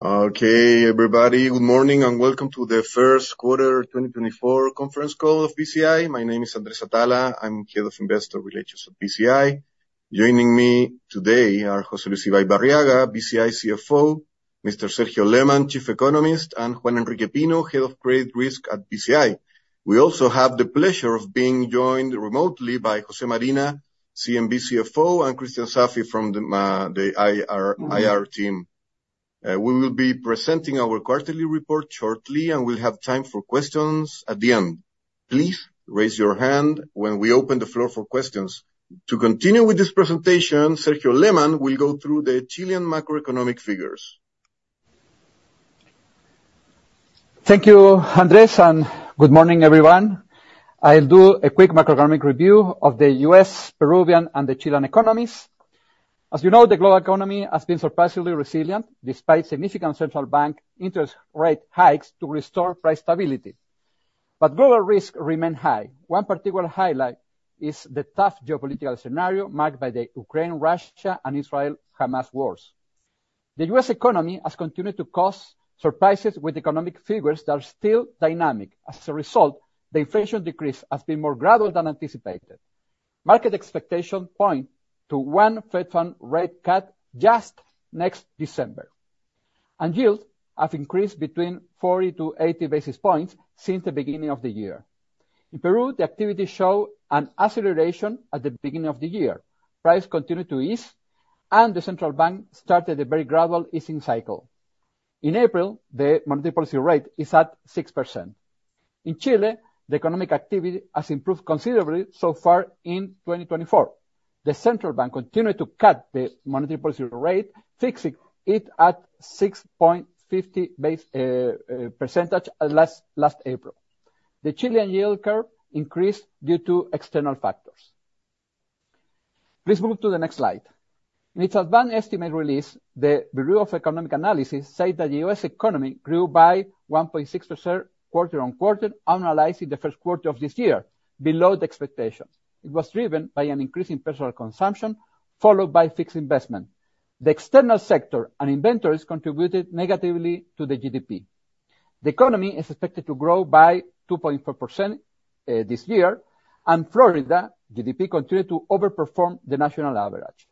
Okay, everybody. Good morning, and welcome to the First Quarter 2024 Conference Call of BCI. My name is Andrés Atala. I'm Head of Investor Relations of BCI. Joining me today are José Luis Ibaibarriaga, BCI CFO, Mr. Sergio Lehmann, Chief Economist, and Juan Enrique Pino, Head of Credit Risk at BCI. We also have the pleasure of being joined remotely by Jose Marina, CNB CFO, and Cristian Saffie from the IR team. We will be presenting our quarterly report shortly, and we'll have time for questions at the end. Please raise your hand when we open the floor for questions. To continue with this presentation, Sergio Lehmann will go through the Chilean macroeconomic figures. Thank you, Andrés, and good morning, everyone. I'll do a quick macroeconomic review of the U.S., Peruvian, and the Chilean economies. As you know, the global economy has been surprisingly resilient despite significant central bank interest rate hikes to restore price stability. Global risks remain high. One particular highlight is the tough geopolitical scenario marked by the Ukraine-Russia and Israel-Hamas wars. The U.S. economy has continued to cause surprises with economic figures that are still dynamic. As a result, the inflation decrease has been more gradual than anticipated. Market expectations point to one Fed funds rate cut just next December, and yields have increased between 40-80 basis points since the beginning of the year. In Peru, the activity showed an acceleration at the beginning of the year. Prices continued to ease, and the central bank started a very gradual easing cycle. In April, the monetary policy rate is at 6%. In Chile, the economic activity has improved considerably so far in 2024. The central bank continued to cut the monetary policy rate, fixing it at 6.50% last April. The Chilean yield curve increased due to external factors. Please move to the next slide. In its advanced estimate release, the Bureau of Economic Analysis said that the U.S. economy grew by 1.6% quarter-on-quarter, annualizing the first quarter of this year below the expectations. It was driven by an increase in personal consumption, followed by fixed investment. The external sector and inventories contributed negatively to the GDP. The economy is expected to grow by 2.4% this year, and Florida GDP continued to overperform the national average.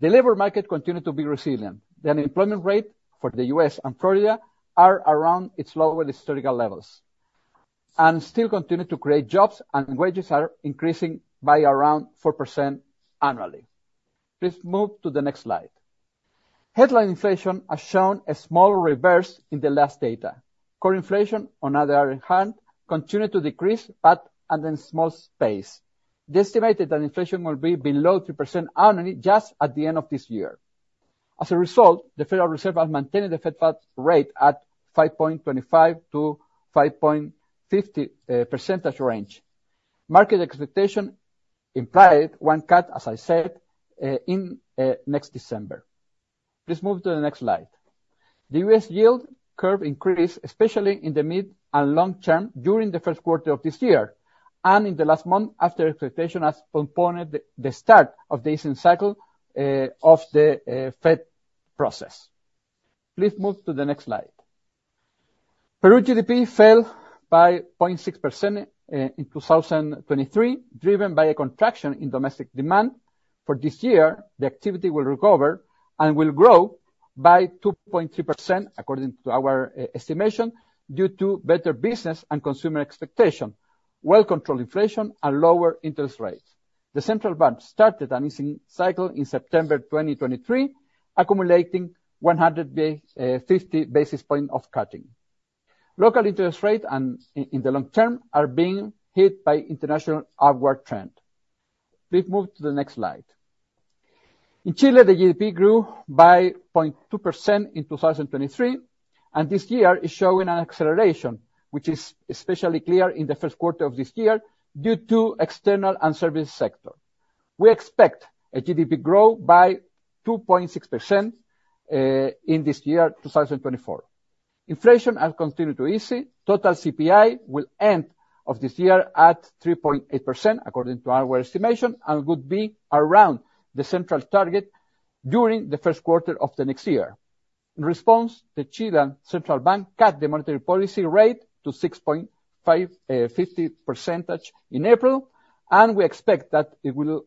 The labor market continued to be resilient. The unemployment rate for the U.S. and Florida are around its lower historical levels and still continue to create jobs and wages are increasing by around 4% annually. Please move to the next slide. Headline inflation has shown a small reversal in the last data. Core inflation, on the other hand, continued to decrease, but at a small pace. It's estimated that inflation will be below 3% annually just at the end of this year. As a result, the Federal Reserve has maintained the Fed funds rate at 5.25%-5.50% range. Market expectation implied one cut, as I said, in next December. Please move to the next slide. The U.S. yield curve increased, especially in the mid and long term during the first quarter of this year and in the last month after expectations have prompted the start of the easing cycle of the Fed process. Please move to the next slide. Peru GDP fell by 0.6% in 2023, driven by a contraction in domestic demand. For this year, the activity will recover and will grow by 2.3% according to our estimation, due to better business and consumer expectation, well-controlled inflation and lower interest rates. The central bank started an easing cycle in September 2023, accumulating 150 basis points of cutting. Local interest rates in the long term are being hit by international upward trend. Please move to the next slide. In Chile, the GDP grew by 0.2% in 2023, and this year is showing an acceleration, which is especially clear in the first quarter of this year due to external and service sector. We expect a GDP growth by 2.6% in this year, 2024. Inflation has continued to ease. Total CPI will end of this year at 3.8% according to our estimation and would be around the central target during the first quarter of the next year. In response, the Chilean central bank cut the monetary policy rate to 6.50% in April, and we expect that it will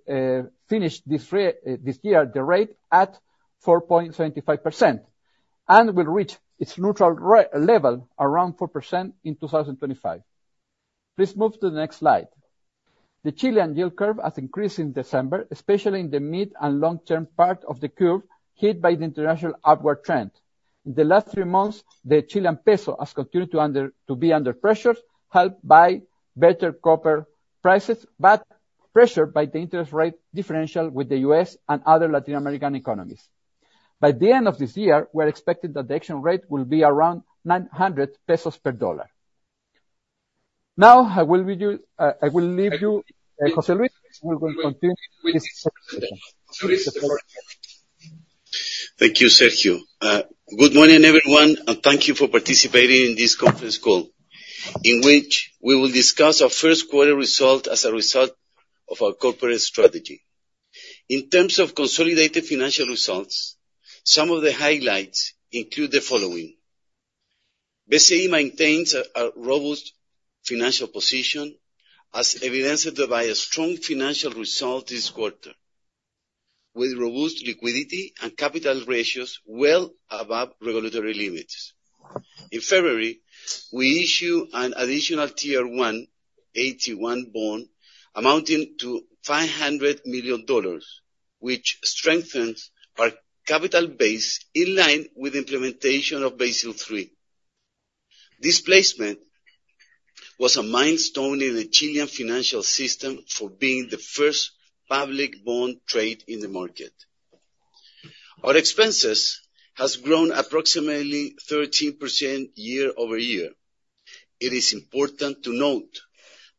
finish this year the rate at 4.25% and will reach its neutral rate level around 4% in 2025. Please move to the next slide. The Chilean yield curve has increased in December, especially in the mid and long-term part of the curve, hit by the international upward trend. In the last three months, the Chilean peso has continued to be under pressure, helped by better copper prices, but pressured by the interest rate differential with the U.S. and other Latin American economies. By the end of this year, we're expecting that the exchange rate will be around 900 pesos per dollar. Now I will leave you, José Luis, who will continue with this presentation. Thank you, Sergio. Good morning, everyone, and thank you for participating in this conference call in which we will discuss our first quarter results as a result of our corporate strategy. In terms of consolidated financial results, some of the highlights include the following. BCI maintains a robust financial position as evidenced by a strong financial result this quarter, with robust liquidity and capital ratios well above regulatory limits. In February, we issue an additional Tier 1 AT1 bond amounting to $500 million, which strengthens our capital base in line with implementation of Basel III. This placement was a milestone in the Chilean financial system for being the first public bond trade in the market. Our expenses has grown approximately 13% year-over-year. It is important to note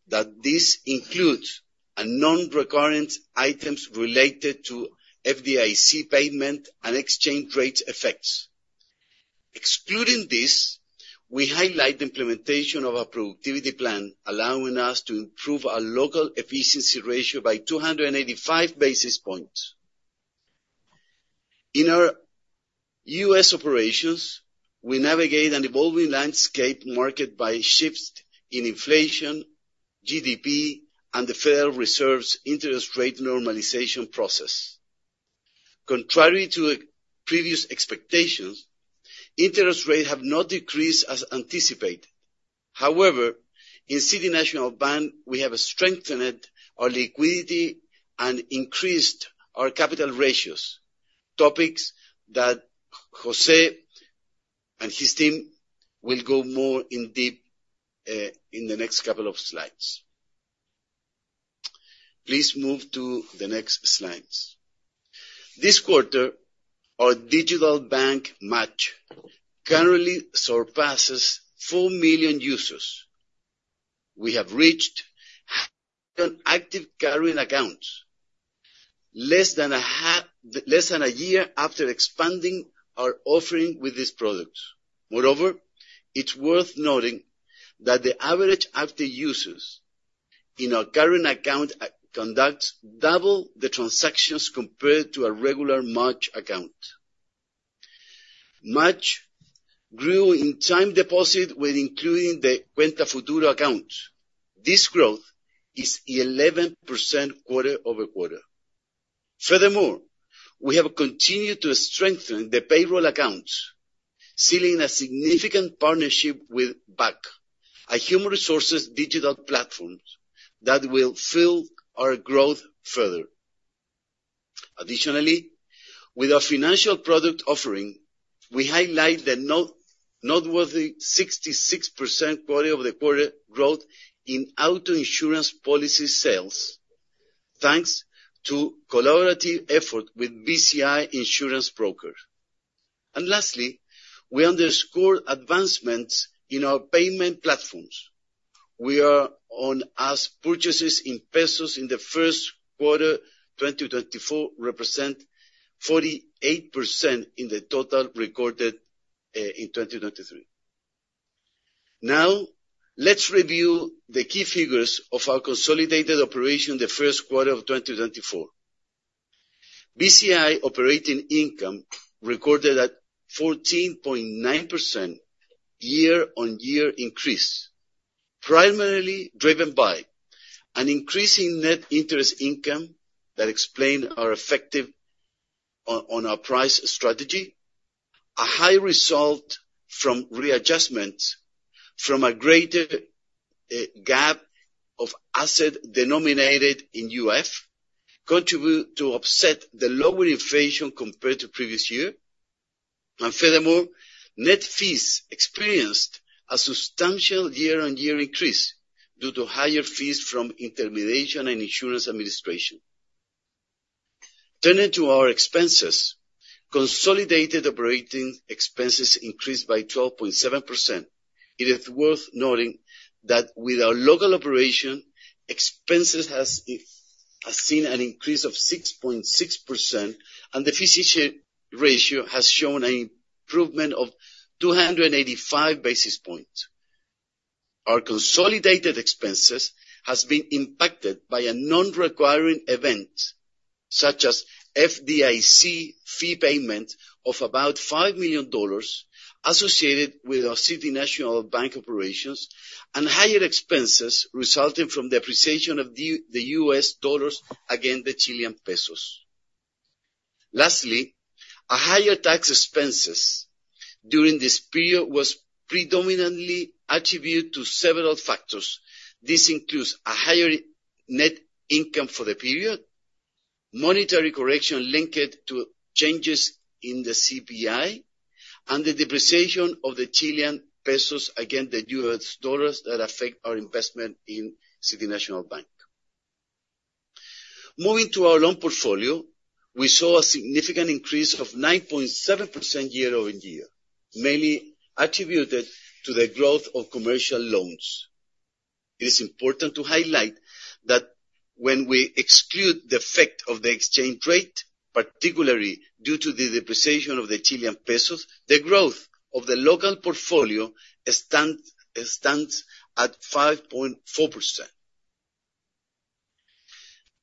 that this includes a non-recurrent items related to FDIC payment and exchange rate effects. Excluding this, we highlight the implementation of our productivity plan, allowing us to improve our local efficiency ratio by 285 basis points. In our U.S. operations, we navigate an evolving landscape marked by shifts in inflation, GDP, and the Federal Reserve's interest rate normalization process. Contrary to previous expectations, interest rates have not decreased as anticipated. However, in City National Bank, we have strengthened our liquidity and increased our capital ratios, topics that José and his team will go more in depth in the next couple of slides. Please move to the next slides. This quarter, our digital bank, MACH, currently surpasses 4 million users. We have reached 500,000 active current accounts less than a year after expanding our offering with this product. Moreover, it's worth noting that the average active users in our current account conducts double the transactions compared to a regular MACH account. MACH grew in time deposit with including the Cuenta Futuro account. This growth is 11% quarter-over-quarter. Furthermore, we have continued to strengthen the payroll accounts, sealing a significant partnership with Buk, a human resources digital platform that will fuel our growth further. Additionally, with our financial product offering, we highlight the noteworthy 66% quarter-over-quarter growth in auto insurance policy sales, thanks to collaborative effort with Bci Seguros. Lastly, we underscore advancements in our payment platforms. Online purchases in pesos in the first quarter 2024 represent 48% of the total recorded in 2023. Now, let's review the key figures of our consolidated operation in the first quarter of 2024. BCI operating income recorded a 14.9% year-on-year increase, primarily driven by an increase in net interest income that explains our effective pricing strategy. A high result from readjustment from a greater gap of asset denominated in UF contribute to offset the lower inflation compared to previous year. Furthermore, net fees experienced a substantial year-on-year increase due to higher fees from intermediation and insurance administration. Turning to our expenses, consolidated operating expenses increased by 12.7%. It is worth noting that with our local operation, expenses has seen an increase of 6.6%, and the efficiency ratio has shown an improvement of 285 basis points. Our consolidated expenses has been impacted by a nonrecurring event, such as FDIC fee payment of about $5 million associated with our City National Bank operations and higher expenses resulting from depreciation of the U.S. dollars against the Chilean pesos. Lastly, a higher tax expenses during this period was predominantly attributed to several factors. This includes a higher net income for the period, monetary correction linked to changes in the CPI, and the depreciation of the Chilean peso against the U.S. dollar that affect our investment in City National Bank. Moving to our loan portfolio, we saw a significant increase of 9.7% year-over-year, mainly attributed to the growth of commercial loans. It is important to highlight that when we exclude the effect of the exchange rate, particularly due to the depreciation of the Chilean peso, the growth of the local portfolio stands at 5.4%.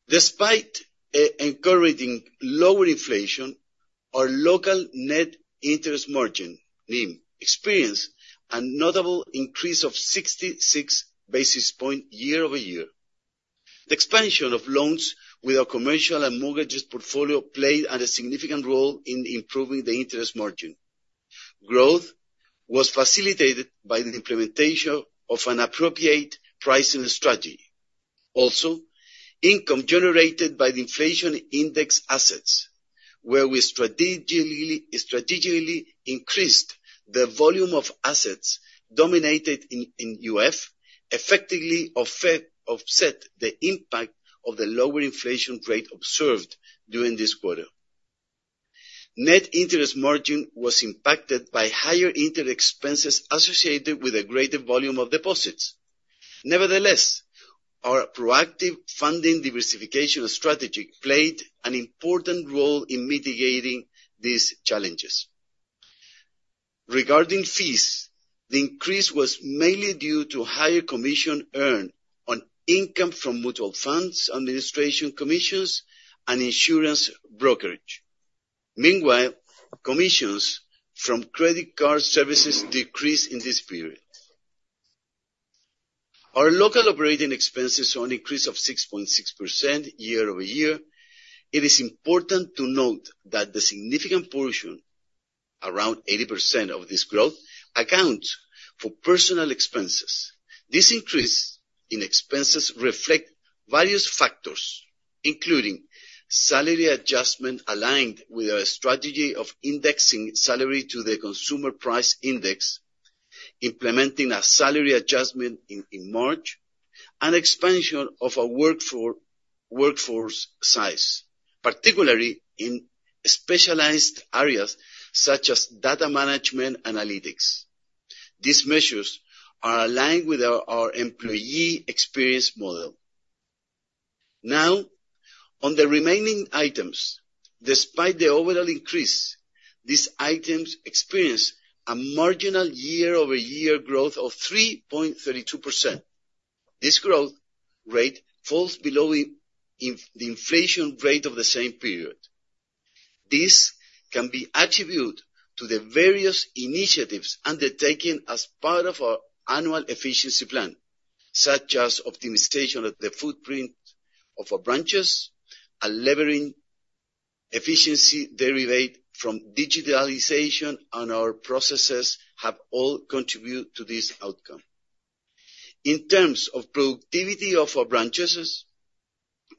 Despite encouraging lower inflation, our local net interest margin, NIM, experienced a notable increase of 66 basis points year-over-year. The expansion of loans with our commercial and mortgages portfolio played a significant role in improving the interest margin. Growth was facilitated by the implementation of an appropriate pricing strategy. Income generated by the inflation index assets, where we strategically increased the volume of assets denominated in UF, effectively offset the impact of the lower inflation rate observed during this quarter. Net interest margin was impacted by higher interest expenses associated with a greater volume of deposits. Nevertheless, our proactive funding diversification strategy played an important role in mitigating these challenges. Regarding fees, the increase was mainly due to higher commission earned on income from mutual funds, administration commissions, and insurance brokerage. Meanwhile, commissions from credit card services decreased in this period. Our local operating expenses an increase of 6.6% year-over-year. It is important to note that the significant portion, around 80% of this growth, accounts for personal expenses. This increase in expenses reflect various factors, including salary adjustment aligned with our strategy of indexing salary to the consumer price index, implementing a salary adjustment in March, and expansion of our workforce size, particularly in specialized areas such as data management analytics. These measures are aligned with our employee experience model. Now, on the remaining items, despite the overall increase, these items experience a marginal year-over-year growth of 3.32%. This growth rate falls below the inflation rate of the same period. This can be attributed to the various initiatives undertaken as part of our annual efficiency plan, such as optimization of the footprint of our branches and leveraging efficiency derived from digitalization of our processes, which have all contributed to this outcome. In terms of productivity of our branches,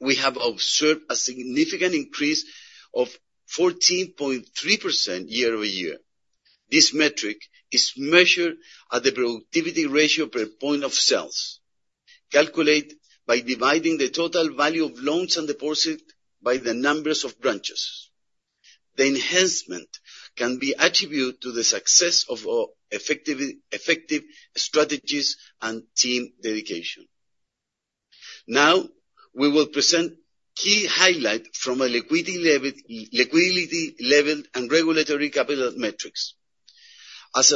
we have observed a significant increase of 14.3% year-over-year. This metric is measured at the productivity ratio per point of sales, calculated by dividing the total value of loans and deposits by the number of branches. The enhancement can be attributed to the success of our effective strategies and team dedication. Now, we will present key highlights from a liquidity level and regulatory capital metrics. As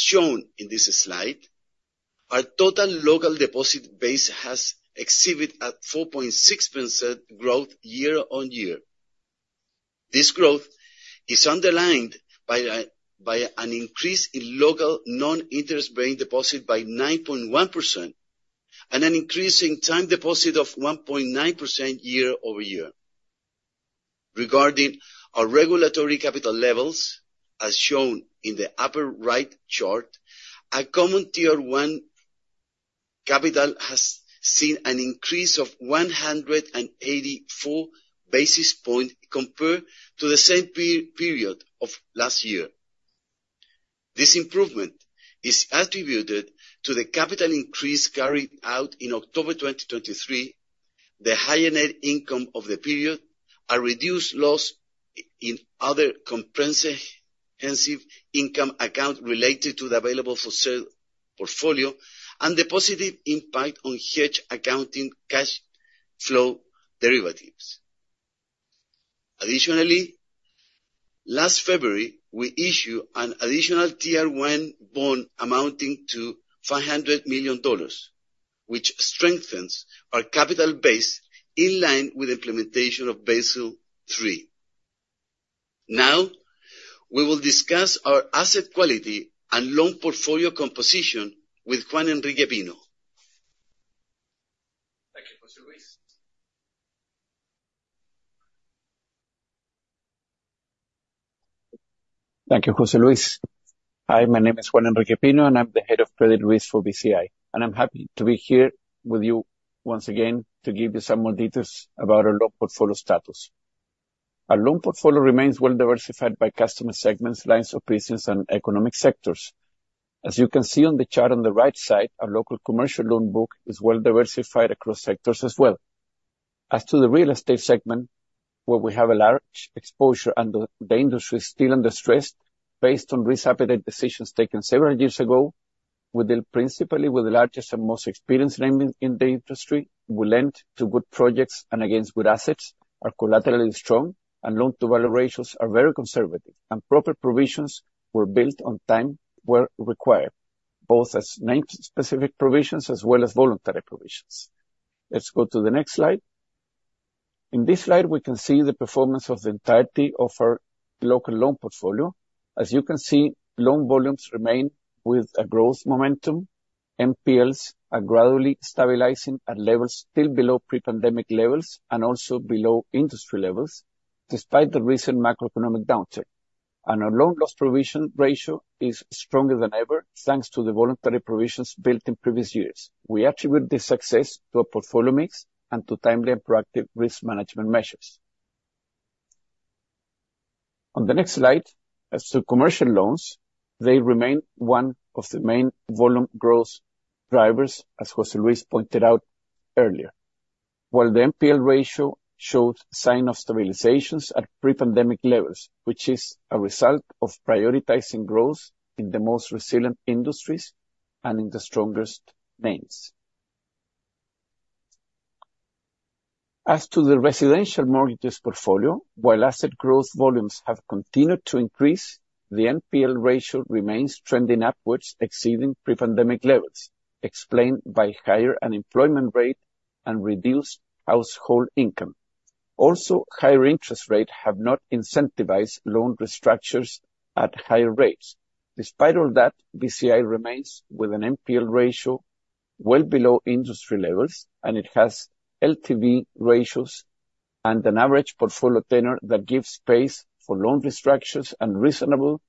shown in this slide, our total local deposit base has exhibited a 4.6% growth year-over-year. This growth is underlined by an increase in local non-interest bearing deposits by 9.1% and an increase in time deposits of 1.9% year-over-year. Regarding our regulatory capital levels, as shown in the upper right chart, our common Tier 1 capital has seen an increase of 184 basis points compared to the same period of last year. This improvement is attributed to the capital increase carried out in October 2023, the higher net income of the period, a reduced loss in other comprehensive income account related to the available for sale portfolio, and the positive impact on hedge accounting cash flow derivatives. Additionally, last February, we issue an additional Tier 1 bond amounting to $500 million, which strengthens our capital base in line with implementation of Basel III. Now, we will discuss our asset quality and loan portfolio composition with Juan Enrique Pino. Thank you, José Luis. Hi, my name is Juan Enrique Pino, and I'm the Head of Credit Risk for BCI, and I'm happy to be here with you once again to give you some more details about our loan portfolio status. Our loan portfolio remains well-diversified by customer segments, lines of business, and economic sectors. As you can see on the chart on the right side, our local commercial loan book is well-diversified across sectors as well. As to the real estate segment, where we have a large exposure and the industry is still under stress based on risk appetite decisions taken several years ago, we deal principally with the largest and most experienced name in the industry. We lend to good projects and against good assets, are collaterally strong, and loan-to-value ratios are very conservative, and proper provisions were built on time where required. Both name-specific provisions as well as voluntary provisions. Let's go to the next slide. In this slide, we can see the performance of the entirety of our local loan portfolio. As you can see, loan volumes remain with a growth momentum. NPLs are gradually stabilizing at levels still below pre-pandemic levels and also below industry levels, despite the recent macroeconomic downturn. Our loan loss provision ratio is stronger than ever, thanks to the voluntary provisions built in previous years. We attribute this success to a portfolio mix and to timely and proactive risk management measures. On the next slide, as to commercial loans, they remain one of the main volume growth drivers, as José Luis pointed out earlier, while the NPL ratio showed signs of stabilization at pre-pandemic levels, which is a result of prioritizing growth in the most resilient industries and in the strongest names. As to the residential mortgages portfolio, while asset growth volumes have continued to increase, the NPL ratio remains trending upwards, exceeding pre-pandemic levels, explained by higher unemployment rate and reduced household income. Also, higher interest rates have not incentivized loan restructures at higher rates. Despite all that, BCI remains with an NPL ratio well below industry levels, and it has LTV ratios and an average portfolio tenor that gives space for loan restructures and reasonable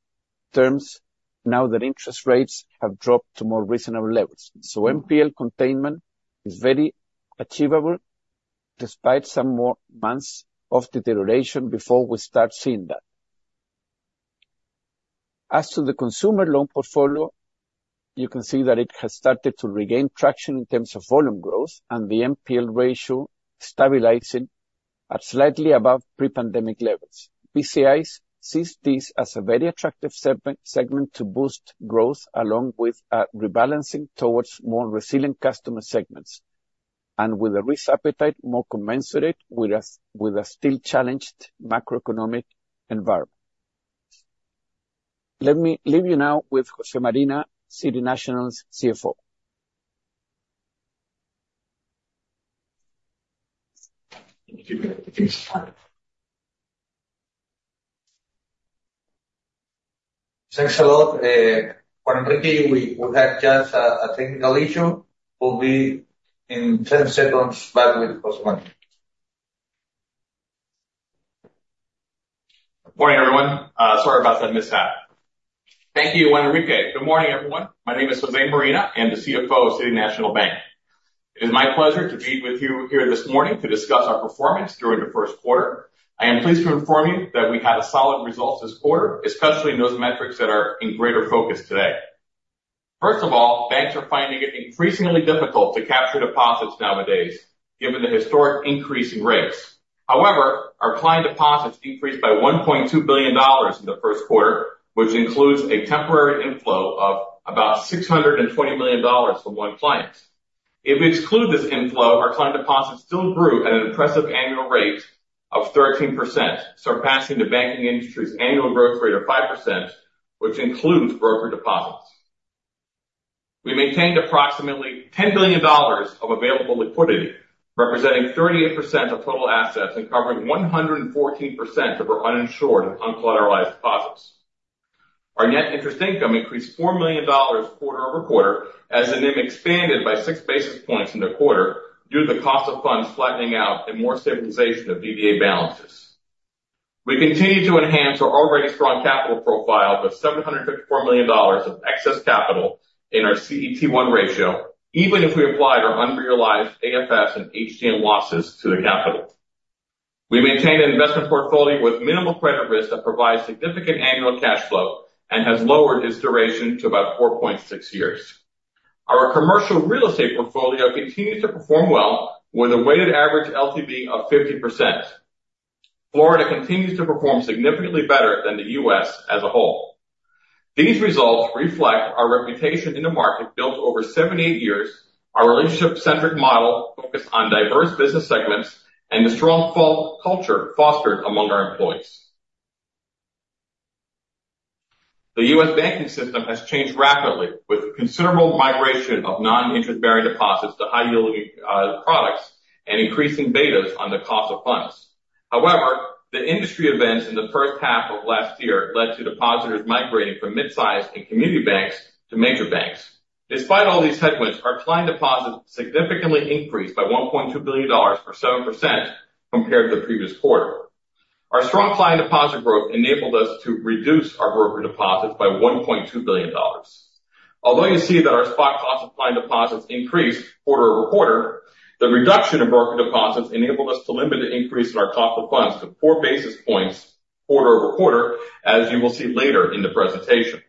terms now that interest rates have dropped to more reasonable levels. NPL containment is very achievable despite some more months of deterioration before we start seeing that. As to the consumer loan portfolio, you can see that it has started to regain traction in terms of volume growth and the NPL ratio stabilizing at slightly above pre-pandemic levels. BCI sees this as a very attractive segment to boost growth along with rebalancing towards more resilient customer segments and with a risk appetite more commensurate with a still challenged macroeconomic environment. Let me leave you now with Jose Marina, City National's CFO. Thank you. Thanks a lot. Juan Enrique, we had just a technical issue. We'll be back in 10 seconds with Jose Marina. Morning, everyone. Sorry about that mishap. Thank you, Juan Enrique. Good morning, everyone. My name is José Marina, I'm the CFO of City National Bank. It is my pleasure to be with you here this morning to discuss our performance during the first quarter. I am pleased to inform you that we had solid results this quarter, especially in those metrics that are in greater focus today. First of all, banks are finding it increasingly difficult to capture deposits nowadays given the historic increase in rates. However, our client deposits increased by $1.2 billion in the first quarter, which includes a temporary inflow of about $620 million from one client. If we exclude this inflow, our client deposits still grew at an impressive annual rate of 13%, surpassing the banking industry's annual growth rate of 5%, which includes broker deposits. We maintained approximately $10 billion of available liquidity, representing 38% of total assets and covering 114% of our uninsured and uncollateralized deposits. Our net interest income increased $4 million quarter-over-quarter as the NIM expanded by 6 basis points in the quarter due to the cost of funds flattening out and more stabilization of BBA balances. We continue to enhance our already strong capital profile with $754 million of excess capital in our CET1 ratio, even if we applied our unrealized AFS and HTM losses to the capital. We maintain an investment portfolio with minimal credit risk that provides significant annual cash flow and has lowered its duration to about 4.6 years. Our commercial real estate portfolio continues to perform well with a weighted average LTV of 50%. Florida continues to perform significantly better than the U.S. as a whole. These results reflect our reputation in the market built over 78 years, our relationship-centric model focused on diverse business segments, and the strong culture fostered among our employees. The U.S. banking system has changed rapidly with considerable migration of non-interest-bearing deposits to high-yielding products and increasing betas on the cost of funds. However, the industry events in the first half of last year led to depositors migrating from mid-sized and community banks to major banks. Despite all these headwinds, our client deposits significantly increased by $1.2 billion or 7% compared to the previous quarter. Our strong client deposit growth enabled us to reduce our broker deposits by $1.2 billion. Although you see that our spot cost of client deposits increased quarter over quarter, the reduction in broker deposits enabled us to limit the increase in our cost of funds to four basis points quarter over quarter, as you will see later in the presentation.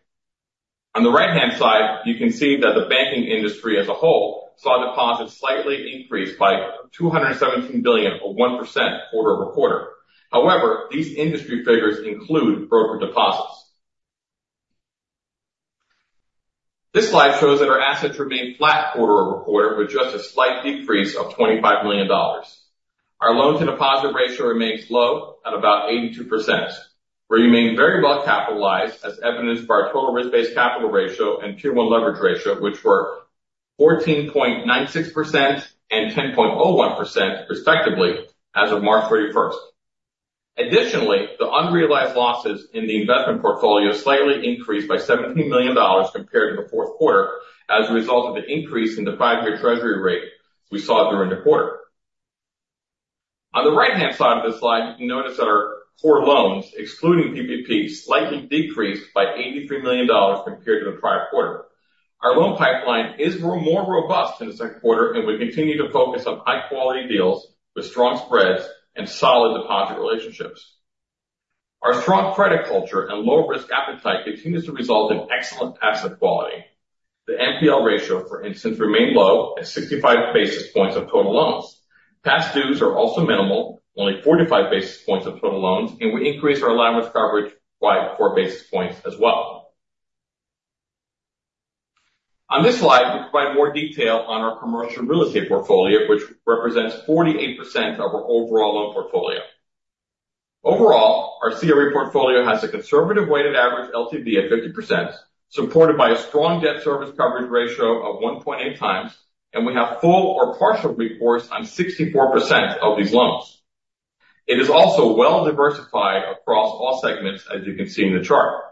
On the right-hand side, you can see that the banking industry as a whole saw deposits slightly increase by $217 billion or 1% quarter over quarter. However, these industry figures include broker deposits. This slide shows that our assets remain flat quarter-over-quarter with just a slight decrease of $25 million. Our loan-to-deposit ratio remains low at about 82%. We remain very well capitalized as evidenced by our total risk-based capital ratio and Tier 1 leverage ratio, which were 14.96% and 10.01% respectively as of March 31st. Additionally, the unrealized losses in the investment portfolio slightly increased by $17 million compared to the fourth quarter as a result of an increase in the five-year treasury rate we saw during the quarter. On the right-hand side of this slide, you can notice that our core loans, excluding PPP, slightly decreased by $83 million compared to the prior quarter. Our loan pipeline is more robust in the second quarter, and we continue to focus on high quality deals with strong spreads and solid deposit relationships. Our strong credit culture and low risk appetite continues to result in excellent asset quality. The NPL ratio, for instance, remained low at 65 basis points of total loans. Past dues are also minimal, only 45 basis points of total loans, and we increased our allowance coverage by 4 basis points as well. On this slide, we provide more detail on our commercial real estate portfolio, which represents 48% of our overall loan portfolio. Overall, our CRE portfolio has a conservative weighted average LTV of 50%, supported by a strong debt service coverage ratio of 1.8x, and we have full or partial recourse on 64% of these loans. It is also well diversified across all segments, as you can see in the chart.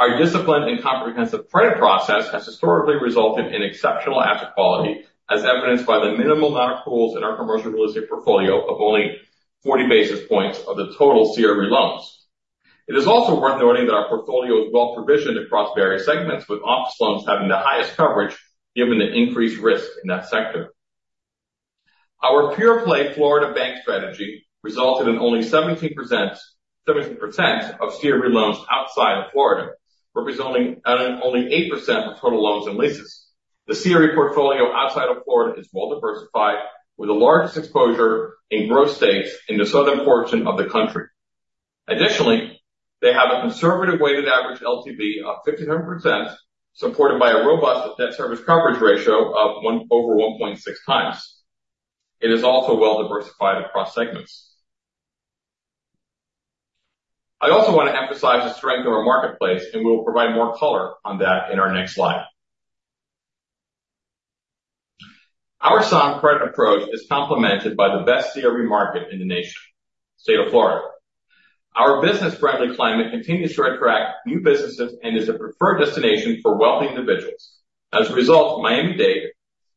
Our disciplined and comprehensive credit process has historically resulted in exceptional asset quality, as evidenced by the minimal amount of NPLs in our commercial real estate portfolio of only 40 basis points of the total CRE loans. It is also worth noting that our portfolio is well provisioned across various segments, with office loans having the highest coverage given the increased risk in that sector. Our pure play Florida bank strategy resulted in only 17% of CRE loans outside of Florida, representing only 8% of total loans and leases. The CRE portfolio outside of Florida is more diversified, with the largest exposure in growth states in the southern portion of the country. They have a conservative weighted average LTV of 57%, supported by a robust debt service coverage ratio of 1/1.6x. It is also well diversified across segments. I also want to emphasize the strength of our marketplace, and we will provide more color on that in our next slide. Our sound credit approach is complemented by the best CRE market in the nation, State of Florida. Our business-friendly climate continues to attract new businesses and is a preferred destination for wealthy individuals. As a result, Miami-Dade,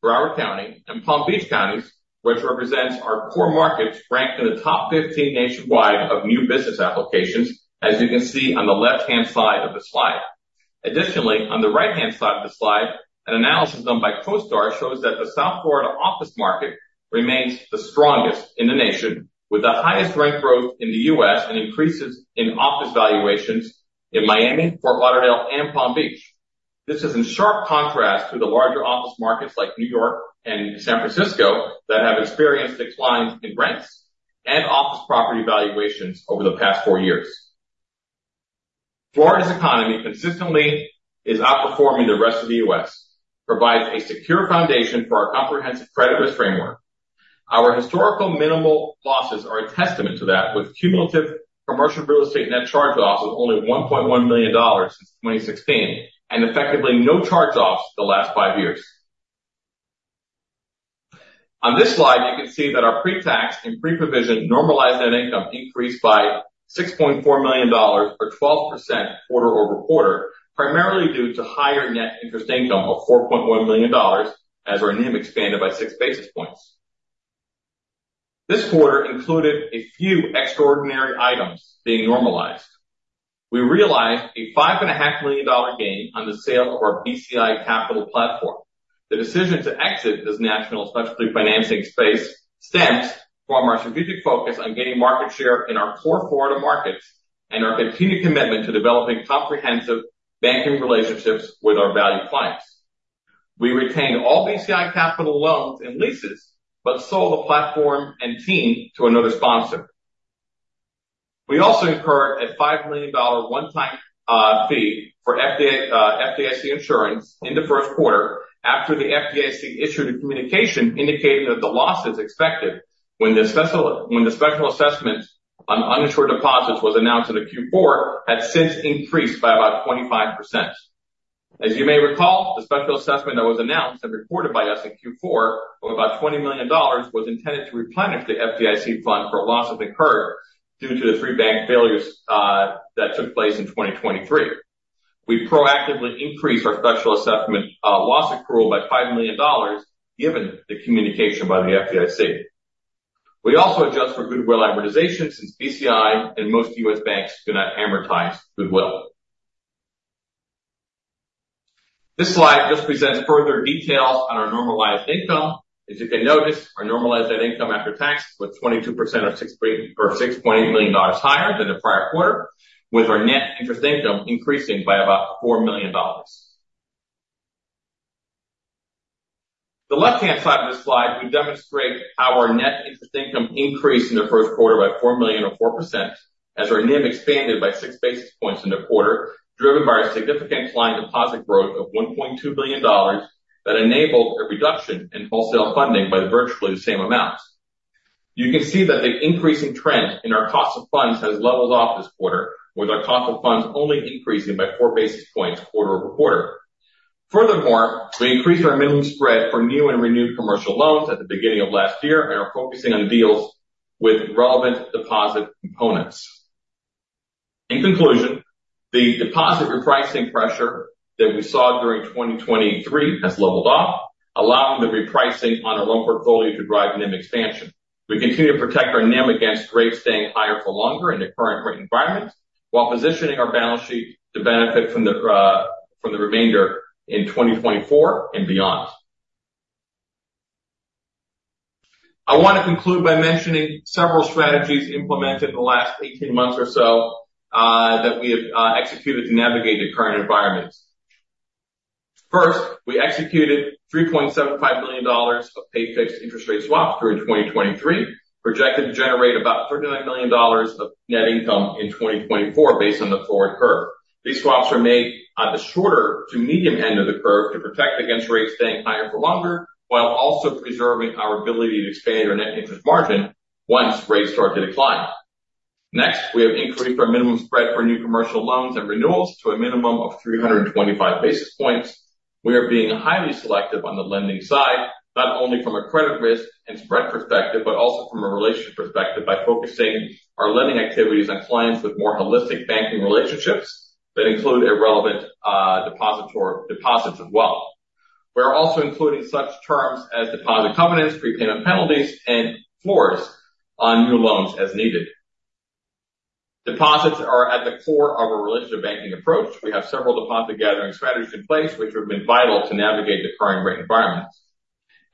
Broward County, and Palm Beach Counties, which represents our core markets, rank in the top 15 nationwide of new business applications, as you can see on the left-hand side of the slide. Additionally, on the right-hand side of the slide, an analysis done by CoStar shows that the South Florida office market remains the strongest in the nation, with the highest rent growth in the U.S. and increases in office valuations in Miami, Fort Lauderdale and Palm Beach. This is in sharp contrast to the larger office markets like New York and San Francisco that have experienced declines in rents and office property valuations over the past four years. Florida's economy consistently is outperforming the rest of the U.S., provides a secure foundation for our comprehensive credit risk framework. Our historical minimal losses are a testament to that, with cumulative commercial real estate net charge-offs of only $1.1 million since 2016 and effectively no charge-offs the last five years. On this slide you can see that our pre-tax and pre-provision normalized net income increased by $6.4 million or 12% quarter-over-quarter, primarily due to higher net interest income of $4.1 million as our NIM expanded by 6 basis points. This quarter included a few extraordinary items being normalized. We realized a $5.5 million gain on the sale of our BCI Capital platform. The decision to exit this national specialty financing space stems from our strategic focus on gaining market share in our core Florida markets and our continued commitment to developing comprehensive banking relationships with our valued clients. We retained all BCI Capital loans and leases, but sold the platform and team to another sponsor. We also incurred a $5 million one-time fee for FDIC insurance in the first quarter after the FDIC issued a communication indicating that the losses expected when the special assessment on uninsured deposits was announced in Q4 had since increased by about 25%. As you may recall, the special assessment that was announced and reported by us in Q4 of about $20 million was intended to replenish the FDIC fund for losses incurred due to the three bank failures that took place in 2023. We proactively increased our special assessment loss accrual by $5 million given the communication by the FDIC. We also adjust for goodwill amortization since BCI and most U.S. banks do not amortize goodwill. This slide just presents further details on our normalized income. As you can notice, our normalized net income after tax was 22% or $6.8 million higher than the prior quarter, with our net interest income increasing by about $4 million. The left-hand side of this slide we demonstrate how our net interest income increased in the first quarter by $4 million or 4% as our NIM expanded by 6 basis points in the quarter, driven by a significant client deposit growth of $1.2 billion that enabled a reduction in wholesale funding by virtually the same amount. You can see that the increasing trend in our cost of funds has leveled off this quarter, with our cost of funds only increasing by 4 basis points quarter-over-quarter. Furthermore, we increased our minimum spread for new and renewed commercial loans at the beginning of last year and are focusing on deals with relevant deposit components. In conclusion, the deposit repricing pressure that we saw during 2023 has leveled off, allowing the repricing on our loan portfolio to drive NIM expansion. We continue to protect our NIM against rates staying higher for longer in the current rate environment while positioning our balance sheet to benefit from the remainder in 2024 and beyond. I want to conclude by mentioning several strategies implemented in the last 18 months or so that we have executed to navigate the current environment. First, we executed $3.75 billion of paid fixed interest rate swaps during 2023, projected to generate about $39 million of net income in 2024 based on the forward curve. These swaps are made at the shorter to medium end of the curve to protect against rates staying higher for longer, while also preserving our ability to expand our net interest margin once rates start to decline. Next, we have increased our minimum spread for new commercial loans and renewals to a minimum of 325 basis points. We are being highly selective on the lending side, not only from a credit risk and spread perspective, but also from a relationship perspective by focusing our lending activities on clients with more holistic banking relationships that include relevant depository deposits as well. We are also including such terms as deposit covenants, prepayment penalties, and floors on new loans as needed. Deposits are at the core of our relationship banking approach. We have several deposit gathering strategies in place which have been vital to navigate the current rate environment.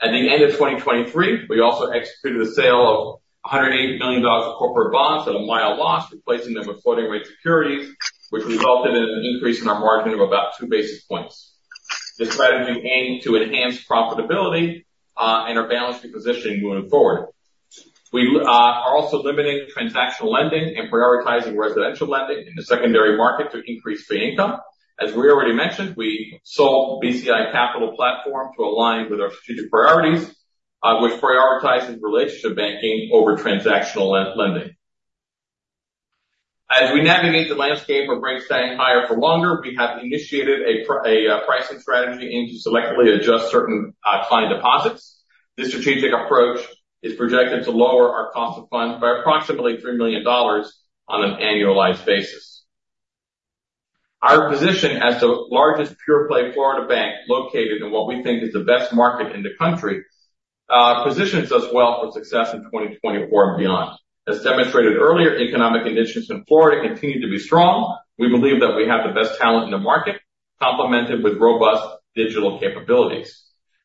At the end of 2023, we also executed a sale of $180 million of corporate bonds at a mild loss, replacing them with floating rate securities, which resulted in an increase in our margin of about 2 basis points. The strategy aimed to enhance profitability and our balance sheet positioning going forward. We are also limiting transactional lending and prioritizing residential lending in the secondary market to increase fee income. As we already mentioned, we sold BCI Capital platform to align with our strategic priorities, which prioritizes relationship banking over transactional lending. As we navigate the landscape of rates staying higher for longer, we have initiated a pricing strategy aimed to selectively adjust certain client deposits. This strategic approach is projected to lower our cost of funds by approximately $3 million on an annualized basis. Our position as the largest pure play Florida bank located in what we think is the best market in the country positions us well for success in 2024 and beyond. As demonstrated earlier, economic conditions in Florida continue to be strong. We believe that we have the best talent in the market, complemented with robust digital capabilities.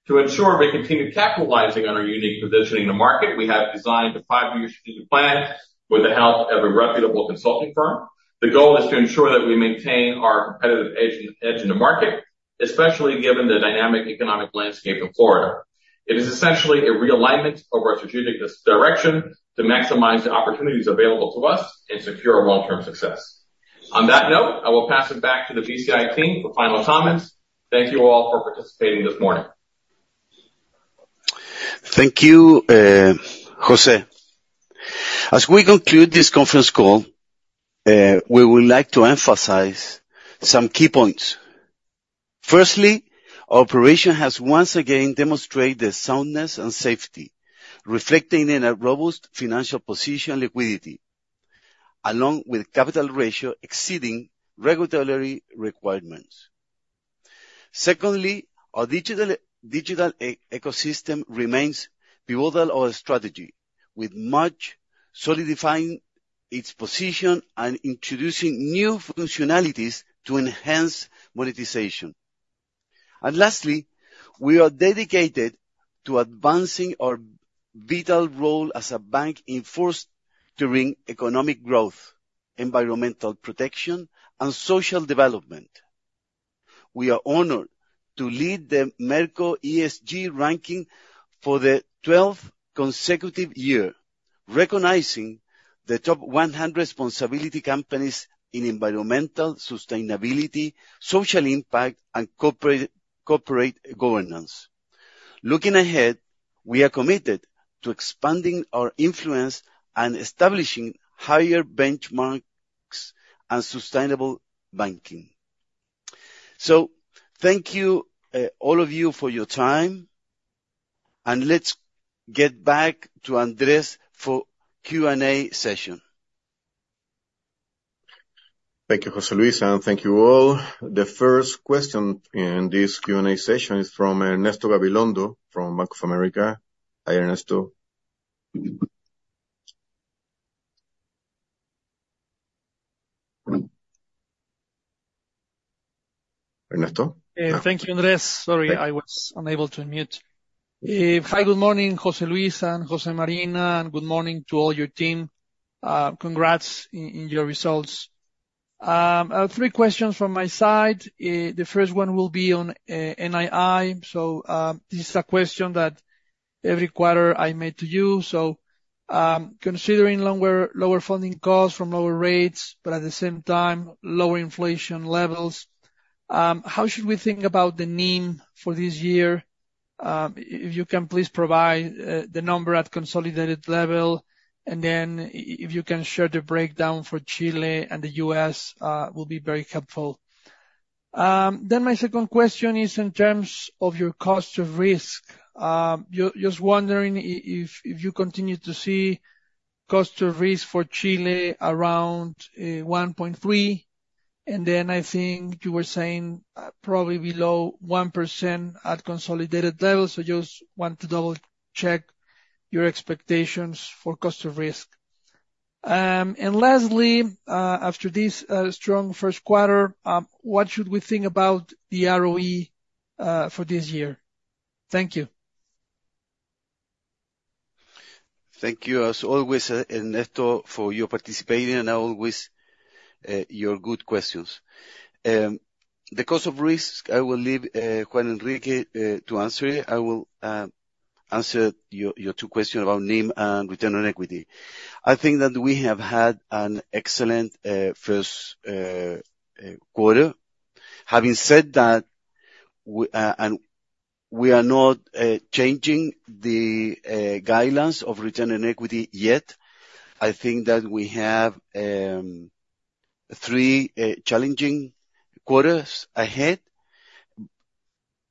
To ensure we continue capitalizing on our unique positioning in the market, we have designed a five-year strategic plan with the help of a reputable consulting firm. The goal is to ensure that we maintain our competitive edge in the market, especially given the dynamic economic landscape of Florida. It is essentially a realignment of our strategic direction to maximize the opportunities available to us and secure our long-term success. On that note, I will pass it back to the BCI team for final comments. Thank you all for participating this morning. Thank you, José. As we conclude this conference call, we would like to emphasize some key points. Firstly, our operation has once again demonstrated soundness and safety, reflecting a robust financial position, liquidity, along with capital ratio exceeding regulatory requirements. Secondly, our digital e-ecosystem remains pivotal to our strategy with MACH solidifying its position and introducing new functionalities to enhance monetization. Lastly, we are dedicated to advancing our vital role as a bank in fostering economic growth, environmental protection, and social development. We are honored to lead the Merco ESG ranking for the twelfth consecutive year, recognizing the top 100 responsible companies in environmental sustainability, social impact, and corporate governance. Looking ahead, we are committed to expanding our influence and establishing higher benchmarks in sustainable banking. Thank you, all of you for your time, and let's get back to Andrés for Q&A session. Thank you, José Luis, and thank you all. The first question in this Q&A session is from Ernesto Gabilondo from Bank of America. Hi, Ernesto. Ernesto? Thank you, Andrés. Sorry, I was unable to unmute. Hi, good morning, José Luis and Jose Marina, and good morning to all your team. Congrats on your results. I have three questions from my side. The first one will be on NII. This is a question that every quarter I made to you. Considering lower funding costs from lower rates, but at the same time lower inflation levels. How should we think about the NIM for this year? If you can please provide the number at consolidated level, and then if you can share the breakdown for Chile and the U.S., will be very helpful. My second question is in terms of your cost of risk. Just wondering if you continue to see cost of risk for Chile around 1.3, and then I think you were saying probably below 1% at consolidated level, so just want to double check your expectations for cost of risk. Lastly, after this strong first quarter, what should we think about the ROE for this year? Thank you. Thank you as always, Ernesto, for your participating and always your good questions. The cost of risk, I will leave Juan Enrique to answer it. I will answer your two questions about NIM and return on equity. I think that we have had an excellent first quarter. Having said that, we are not changing the guidelines of return on equity yet. I think that we have three challenging quarters ahead.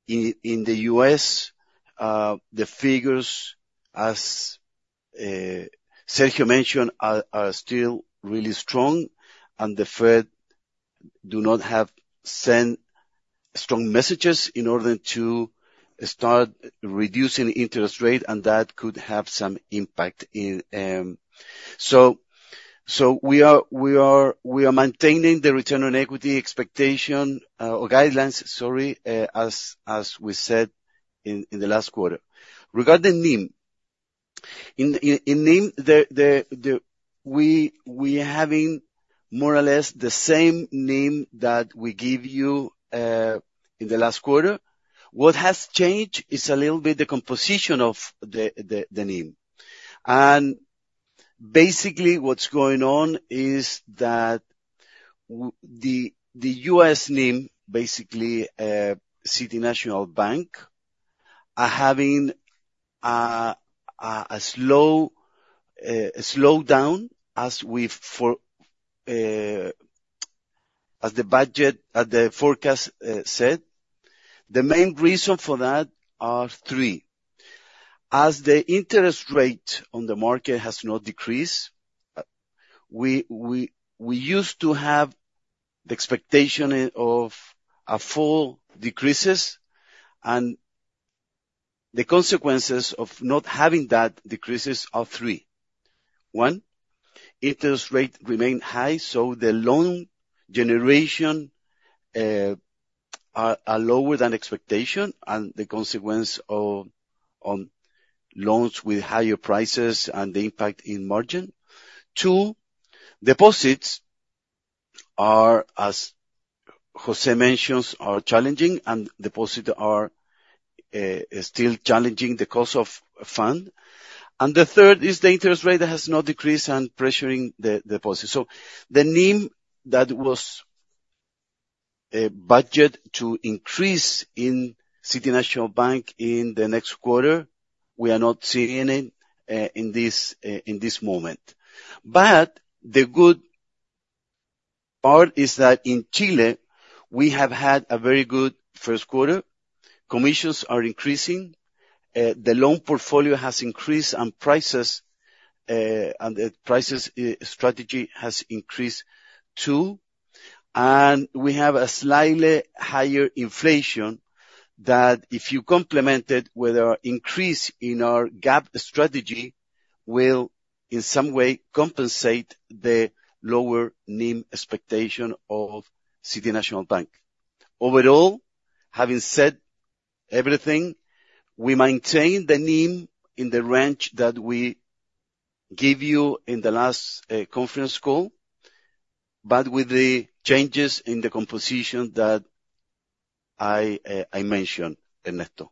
In the U.S., the figures, as Sergio mentioned, are still really strong, and the Fed do not have sent strong messages in order to start reducing interest rate, and that could have some impact in. We are maintaining the return on equity expectation or guidelines as we said in the last quarter. Regarding NIM, we are having more or less the same NIM that we gave you in the last quarter. What has changed is a little bit the composition of the NIM. Basically, what's going on is that the U.S. NIM, basically, City National Bank are having a slowdown as the forecast said. The main reason for that are three. As the interest rate on the market has not decreased, we used to have the expectation of a few decreases, and the consequences of not having those decreases are three. One, interest rates remain high, so the loan generation are lower than expectations, and the consequence on loans with higher prices and the impact on margins. Two, deposits are, as José mentions, challenging, and deposits are still challenging the cost of funds. The third is the interest rate has not decreased and pressuring the deposits. The NIM that was budgeted to increase in City National Bank in the next quarter, we are not seeing it in this moment. The good part is that in Chile, we have had a very good first quarter. Commissions are increasing. The loan portfolio has increased, and the pricing strategy has increased too. We have a slightly higher inflation that if you complement it with our increase in our GAAP strategy, will in some way compensate the lower NIM expectation of City National Bank. Overall, having said everything, we maintain the NIM in the range that we gave you in the last conference call, but with the changes in the composition that I mentioned, Ernesto.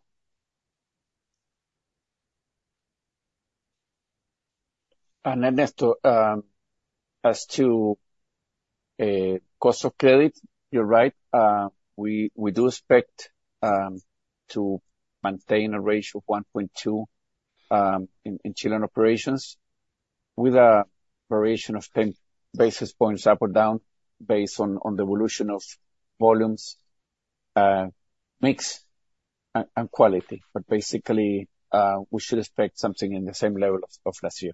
Ernesto, as to cost of credit, you're right. We do expect to maintain a ratio of 1.2 in Chilean operations with a variation of 10 basis points up or down based on the evolution of volumes, mix and quality. Basically, we should expect something in the same level of last year.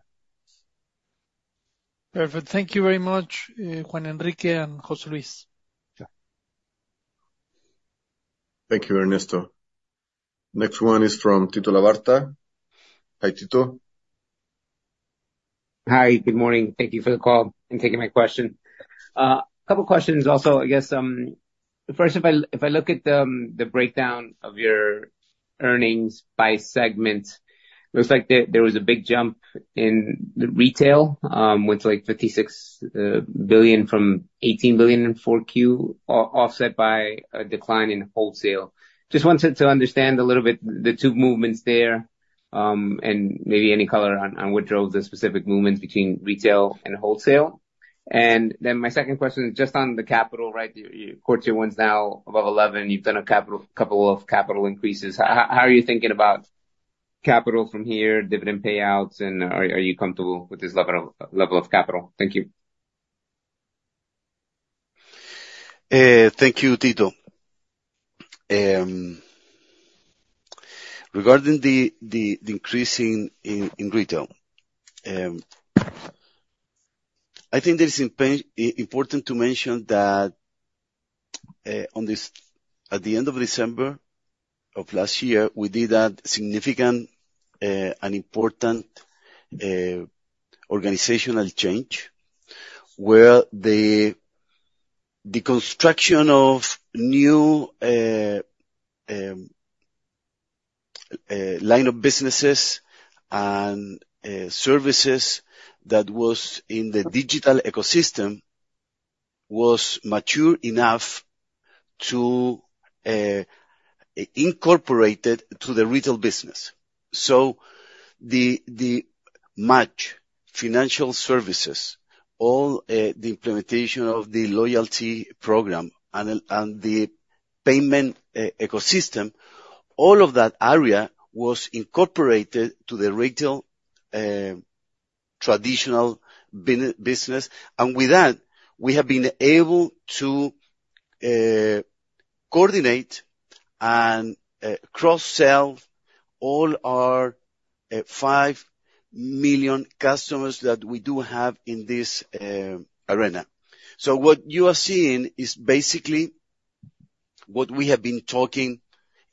Perfect. Thank you very much, Juan Enrique and José Luis. Sure. Thank you, Ernesto. Next one is from Tito Labarta. Hi, Tito. Hi, good morning. Thank you for the call and taking my question. Couple questions also, I guess. First, if I look at the breakdown of your earnings by segment, looks like there was a big jump in the retail with like 56 billion from 18 billion in 4Q, offset by a decline in wholesale. Just wanted to understand a little bit the two movements there. And maybe any color on what drove the specific movements between retail and wholesale. And then my second question is just on the capital, right? Your 1Q's now above 11%. You've done a capital, couple of capital increases. How are you thinking about capital from here, dividend payouts, and are you comfortable with this level of capital? Thank you. Thank you, Tito. Regarding the increase in retail. I think that it's important to mention that at the end of December of last year, we did a significant, an important, organizational change, where the construction of a new line of businesses and services that was in the digital ecosystem was mature enough to incorporate it to the retail business. The MACH financial services, all the implementation of the loyalty program and the payment ecosystem, all of that area was incorporated to the retail traditional business. With that, we have been able to coordinate and cross-sell all our 5 million customers that we do have in this arena. What you are seeing is basically what we have been talking about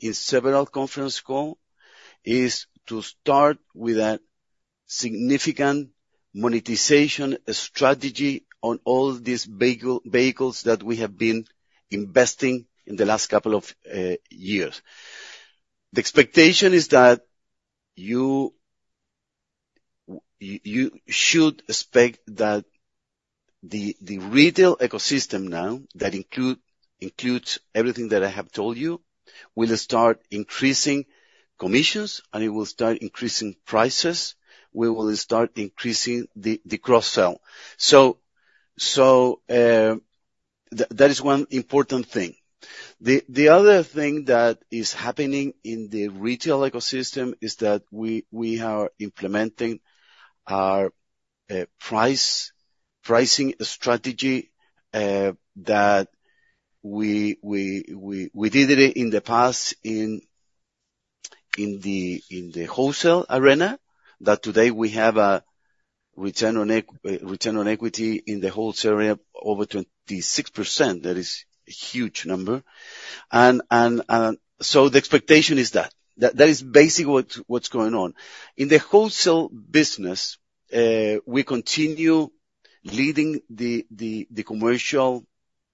in several conference calls is to start with a significant monetization strategy on all these vehicles that we have been investing in the last couple of years. The expectation is that you should expect that the retail ecosystem now that includes everything that I have told you will start increasing commissions, and it will start increasing prices. We will start increasing the cross-sell. That is one important thing. The other thing that is happening in the retail ecosystem is that we are implementing our pricing strategy that we did it in the past in the wholesale arena. That today we have a return on equity in the wholesale area over 26%. That is a huge number. The expectation is that. That is basically what's going on. In the wholesale business, we continue leading the commercial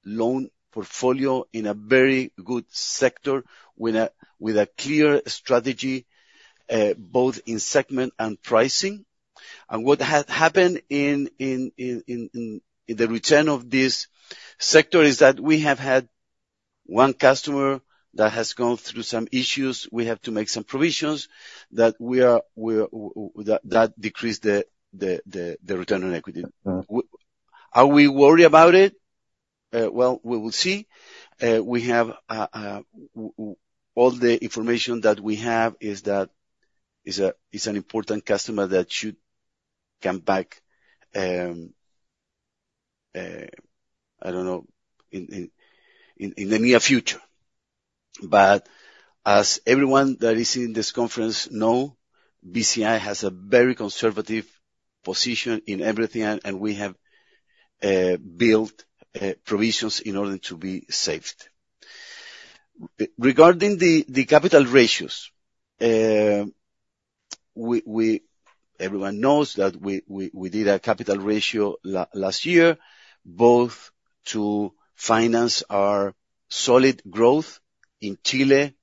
loan portfolio in a very good sector with a clear strategy, both in segment and pricing. What happened in the return of this sector is that we have had one customer that has gone through some issues. We have to make some provisions that decreased the return on equity. Are we worried about it? Well, we will see. All the information that we have is that is an important customer that should come back, I don't know, in the near future. As everyone that is in this conference knows, BCI has a very conservative position in everything, and we have built provisions in order to be safe. Regarding the capital ratios, everyone knows that we did a capital raise last year, both to finance our solid growth in Chile.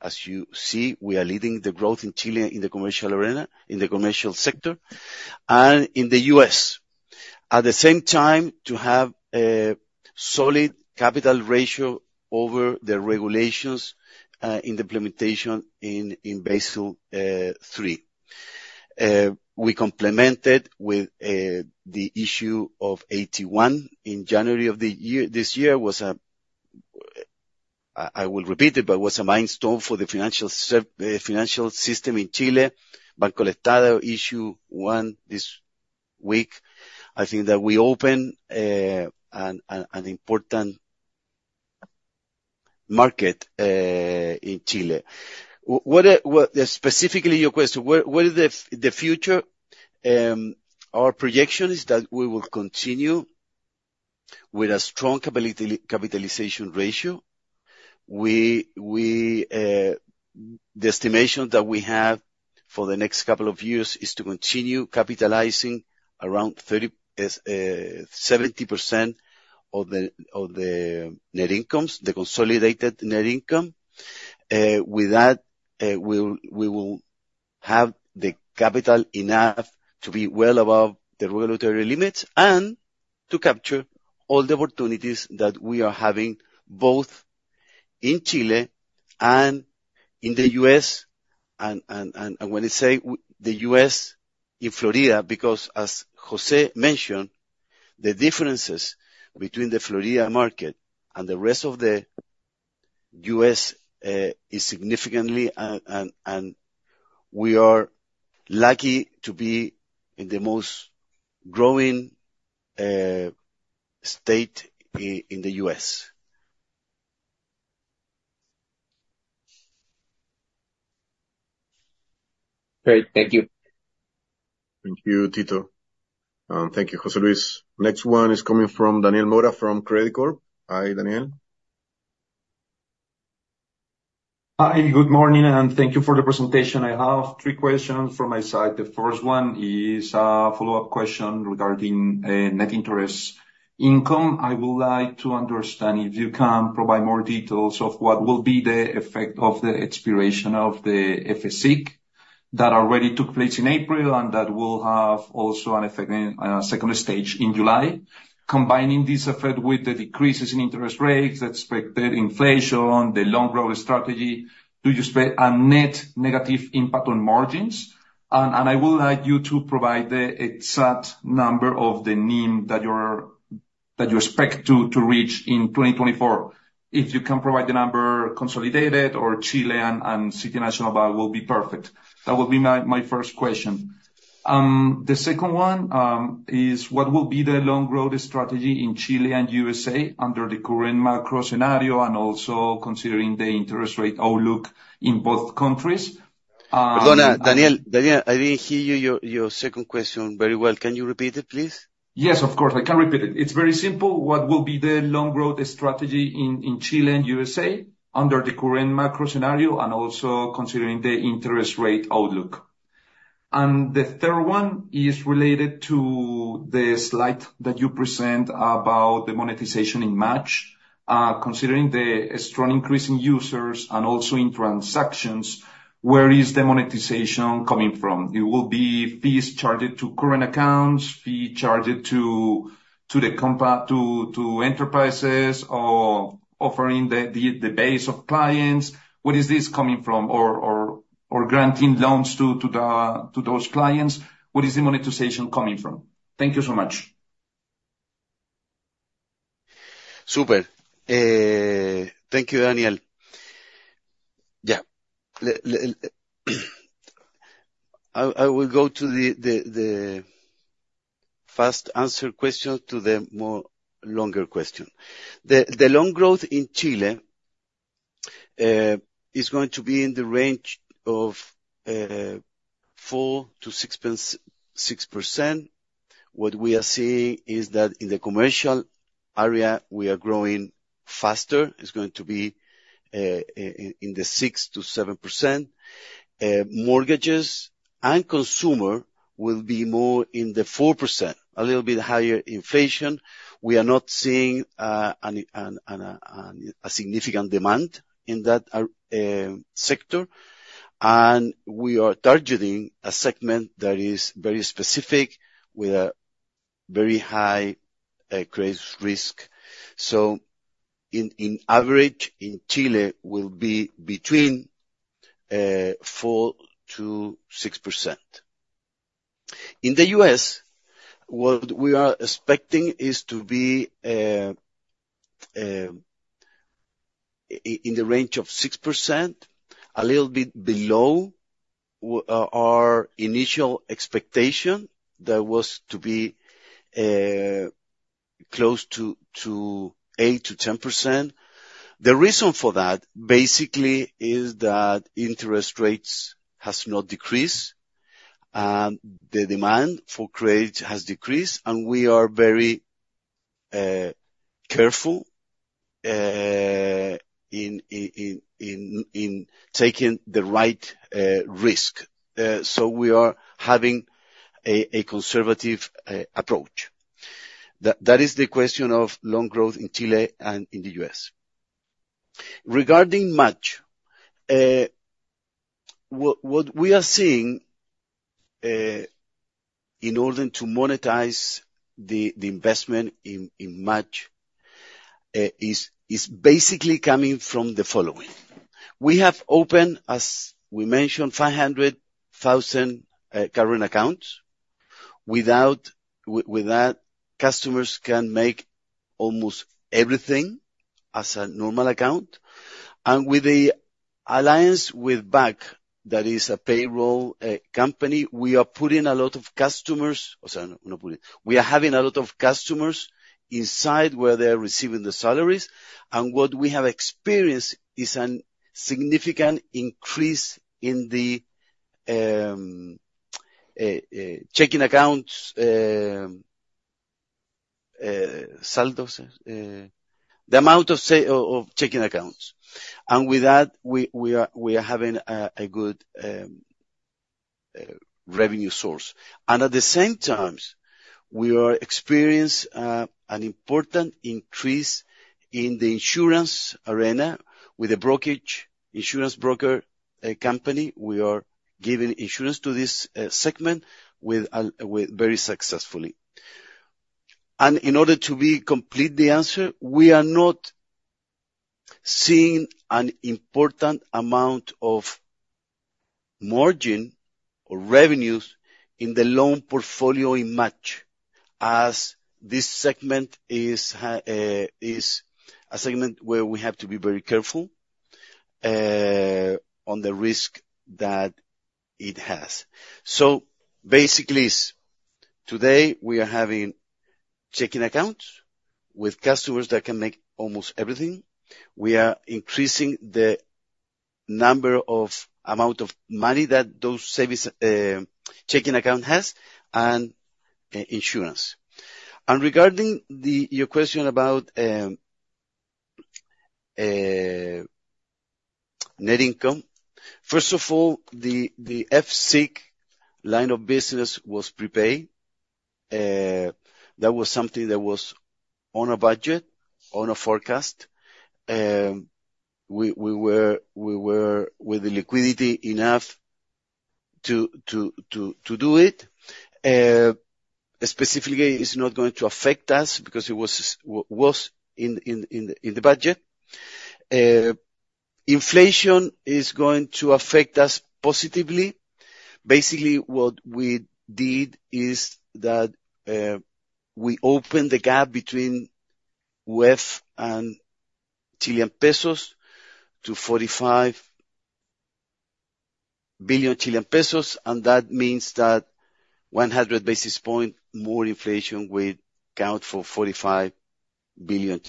As you see, we are leading the growth in Chile in the commercial arena, in the commercial sector, and in the U.S. At the same time, to have a solid capital ratio over the regulations in the implementation in Basel III. We complemented with the issue of AT1 in January of this year. It was a milestone for the financial system in Chile. BancoEstado issued AT1 this week. I think that we open an important market in Chile. Specifically your question, what is the future? Our projection is that we will continue with a strong capitalization ratio. The estimation that we have for the next couple of years is to continue capitalizing around 37% of the net incomes, the consolidated net income. With that, we will have the capital enough to be well above the regulatory limits and to capture all the opportunities that we are having, both in Chile and in the U.S. When I say the U.S., in Florida, because as José mentioned, the differences between the Florida market and the rest of the U.S. are significant. We are lucky to be in the most growing state in the U.S. Great. Thank you. Thank you, Tito. Thank you, José Luis. Next one is coming from Daniel Mora from Credicorp. Hi, Daniel. Hi, good morning, and thank you for the presentation. I have three questions from my side. The first one is a follow-up question regarding net interest income. I would like to understand if you can provide more details of what will be the effect of the expiration of the FCIC that already took place in April, and that will have also an effect in second stage in July. Combining this effect with the decreases in interest rates, expected inflation, the long run strategy, do you expect a net negative impact on margins? I would like you to provide the exact number of the NIM that you expect to reach in 2024. If you can provide the number consolidated or Chile and City National Bank will be perfect. That would be my first question. The second one is what will be the long-term strategy in Chile and USA under the current macro scenario and also considering the interest rate outlook in both countries? Daniel, I didn't hear you, your second question very well. Can you repeat it, please? Yes, of course, I can repeat it. It's very simple. What will be the long-term strategy in Chile and USA under the current macro scenario, and also considering the interest rate outlook? The third one is related to the slide that you present about the monetization in March. Considering the strong increase in users and also in transactions, where is the monetization coming from? It will be fees charged to current accounts, fee charged to enterprises or offering the base of clients. What is this coming from? Or granting loans to those clients. What is the monetization coming from? Thank you so much. Super. Thank you, Daniel. I will go to the fast answer question to the more longer question. The loan growth in Chile is going to be in the range of 4%-6.6%. What we are seeing is that in the commercial area, we are growing faster. It's going to be in the 6%-7%. Mortgages and consumer will be more in the 4%, a little bit higher inflation. We are not seeing a significant demand in that sector. We are targeting a segment that is very specific with a very high credit risk. In average in Chile will be between 4%-6%. In the U.S., what we are expecting is to be in the range of 6%, a little bit below our initial expectation that was to be close to 8%-10%. The reason for that, basically, is that interest rates has not decreased, and the demand for credit has decreased, and we are very careful in taking the right risk. We are having a conservative approach. That is the question of loan growth in Chile and in the U.S.. Regarding MACH, what we are seeing in order to monetize the investment in MACH is basically coming from the following. We have opened, as we mentioned, 500,000 current accounts. With that, customers can make almost everything as a normal account. With the alliance with Buk, that is a payroll company, we are having a lot of customers inside where they're receiving the salaries. What we have experienced is a significant increase in the checking accounts, the amount of checking accounts. With that, we are having a good revenue source. At the same time, we are experiencing an important increase in the insurance arena with a brokerage, insurance broker, a company, we are giving insurance to this segment with very successfully. In order to be complete the answer, we are not seeing an important amount of margin or revenues in the loan portfolio in March, as this segment is a segment where we have to be very careful on the risk that it has. Basically today, we are having checking accounts with customers that can make almost everything. We are increasing the amount of money that those services, checking accounts have, and insurance. Regarding your question about net income. First of all, the FCIC line of business was prepaid. That was something that was on a budget, on a forecast. We were with enough liquidity to do it. Specifically, it's not going to affect us because it was in the budget. Inflation is going to affect us positively. Basically, what we did is that we opened the gap between UF and Chilean pesos to 45 billion Chilean pesos, and that means that 100 basis points more inflation will count for 45 billion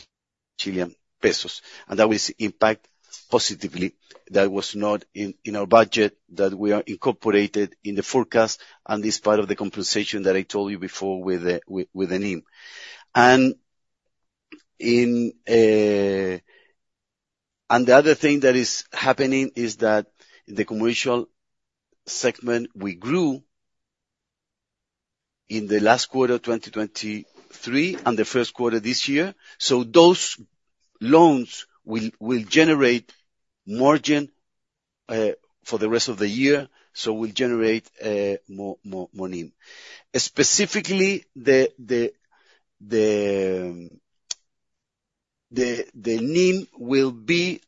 Chilean pesos. That will impact positively. That was not in our budget that we are incorporated in the forecast, and is part of the compensation that I told you before with the NIM. The other thing that is happening is that the commercial segment we grew in the last quarter of 2023 and the first quarter this year. Those loans will generate margin for the rest of the year, so will generate more NIM. Specifically, the NIM will be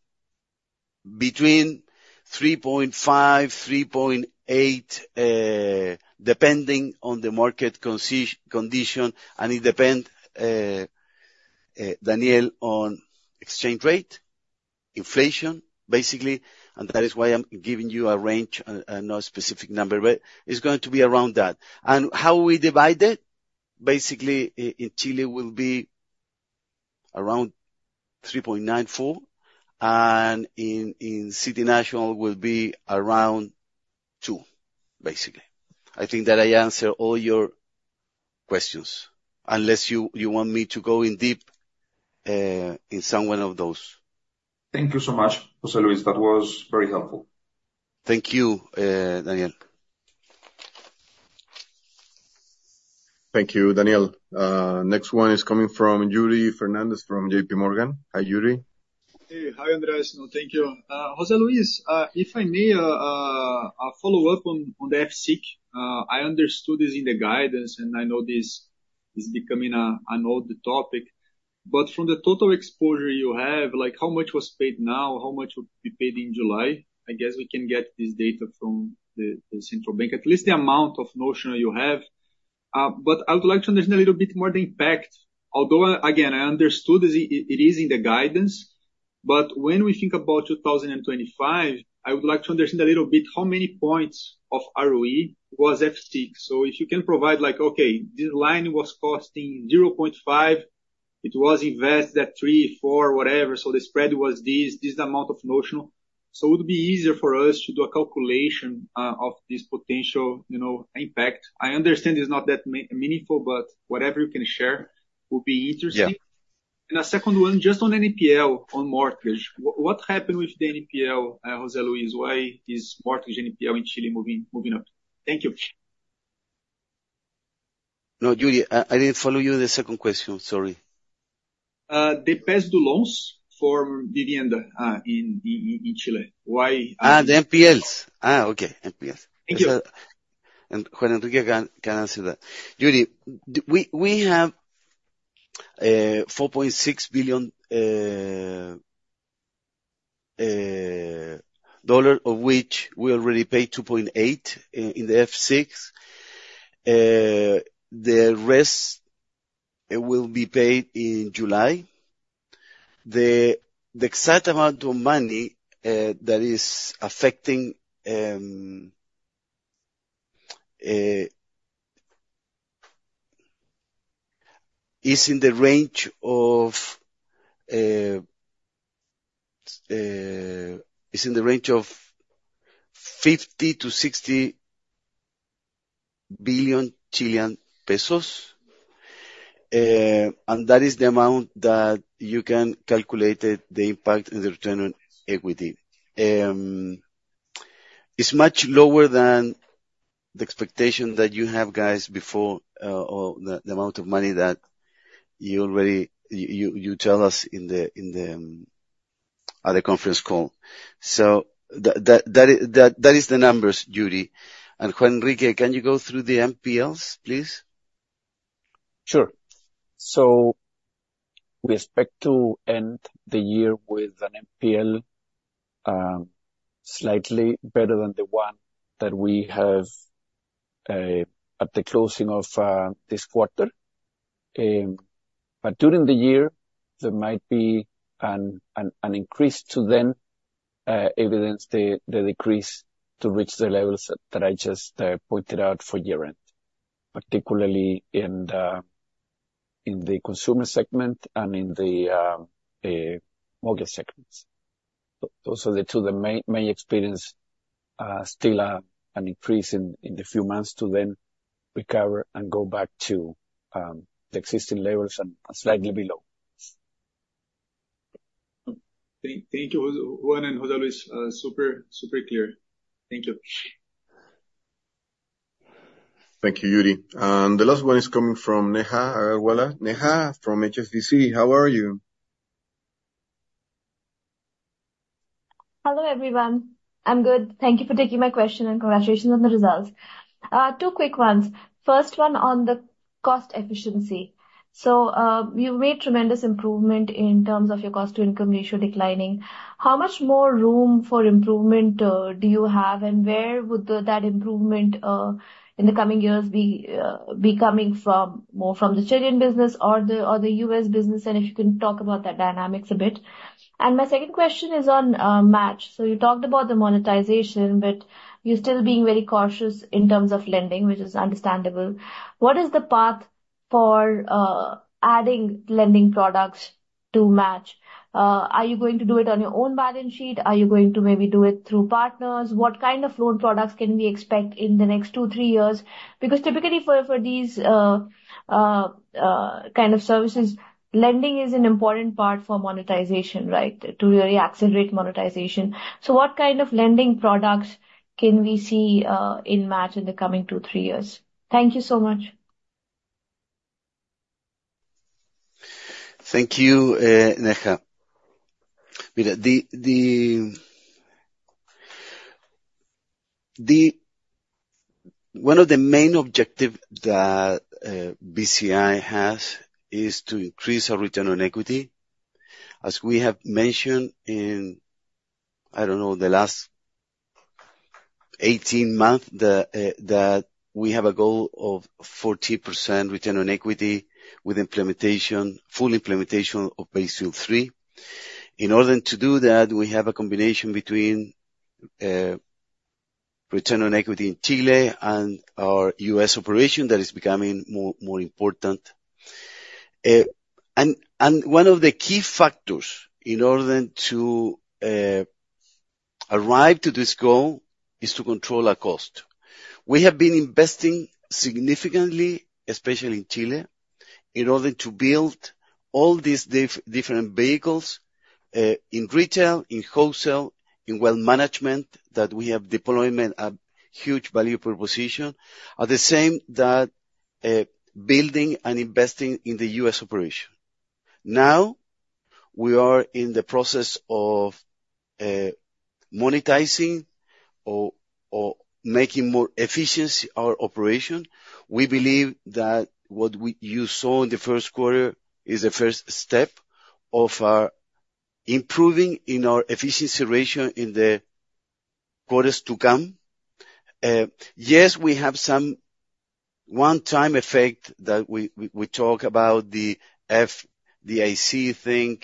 between 3.5%-3.8%, depending on the market condition, and it depends, Daniel, on exchange rate, inflation, basically. That is why I'm giving you a range and no specific number, but it's going to be around that. How we divide it, basically in Chile will be around 3.94% and in City National will be around 2%, basically. I think that I answer all your questions, unless you want me to go in depth in some of those. Thank you so much, José Luis. That was very helpful. Thank you, Daniel. Thank you, Daniel. Next one is coming from Yuri Fernandes from JPMorgan. Hi, Yuri. Hey. Hi, Andrés. No, thank you. José Luis, if I may, follow up on the FCIC. I understood this in the guidance, and I know this is becoming an old topic, but from the total exposure you have, like how much was paid now, how much would be paid in July? I guess we can get this data from the central bank, at least the amount of notional you have. But I would like to understand a little bit more the impact, although again, I understood this, it is in the guidance, but when we think about 2025, I would like to understand a little bit how many points of ROE was FCIC. So if you can provide like, okay, this line was costing 0.5. It was invested at three, four, whatever, so the spread was this amount of notional. It would be easier for us to do a calculation of this potential, you know, impact. I understand it's not that meaningful, but whatever you can share will be interesting. Yeah. A second one, just on the NPL on mortgage, what happened with the NPL, José Luis? Why is mortgage NPL in Chile moving up? Thank you. No, Yuri, I didn't follow your second question. Sorry. Demand for the loans for vivienda in Chile. The NPLs. Okay. NPLs. Thank you. Juan Enrique Pino can answer that. Yuri Fernandes, we have $4.6 billion, of which we already paid $2.8 in the FCIC. The rest, it will be paid in July. The exact amount of money that is affecting is in the range of 50 billion-60 billion CLP. That is the amount that you can calculate it, the impact and the return on equity. It's much lower than the expectation that you have guys before, or the amount of money that you already you tell us in the at the conference call. That is the numbers, Yuri Fernandes. Juan Enrique Pino, can you go through the NPLs, please? Sure. We expect to end the year with an NPL slightly better than the one that we have at the closing of this quarter. During the year, there might be an increase to then evidence the decrease to reach the levels that I just pointed out for year-end, particularly in the consumer segment and in the mortgage segments. Those are the two that may experience still an increase in the few months to then recover and go back to the existing levels and slightly below. Thank you, Juan and José Luis. Super clear. Thank you. Thank you, Yuri Fernandes. The last one is coming from Neha Agarwala. Neha from HSBC. How are you? Hello, everyone. I'm good. Thank you for taking my question and congratulations on the results. Two quick ones. First one on the cost efficiency. You made tremendous improvement in terms of your cost-to-income ratio declining. How much more room for improvement do you have, and where would that improvement in the coming years be coming from? More from the Chilean business or the U.S. business, and if you can talk about that dynamics a bit. My second question is on MACH. You talked about the monetization, but you're still being very cautious in terms of lending, which is understandable. What is the path for adding lending products to MACH? Are you going to do it on your own balance sheet? Are you going to maybe do it through partners? What kind of loan products can we expect in the next two-three years? Because typically for these kind of services, lending is an important part for monetization, right? To really accelerate monetization. What kind of lending products can we see in MACH in the coming two-three years? Thank you so much. Thank you, Neha. One of the main objective that BCI has is to increase our return on equity. As we have mentioned, I don't know, in the last 18 months, that we have a goal of 40% return on equity with full implementation of Basel III. In order to do that, we have a combination between return on equity in Chile and our U.S. operation that is becoming more important. One of the key factors in order to arrive to this goal is to control our cost. We have been investing significantly, especially in Chile, in order to build all these different vehicles in retail, in wholesale, in wealth management, that we have deployed a huge value proposition. At the same time, building and investing in the U.S. operation. Now, we are in the process of monetizing or making more efficiency our operation. We believe that what you saw in the first quarter is the first step of improving in our efficiency ratio in the quarters to come. Yes, we have some one-time effect that we talk about the FDIC thing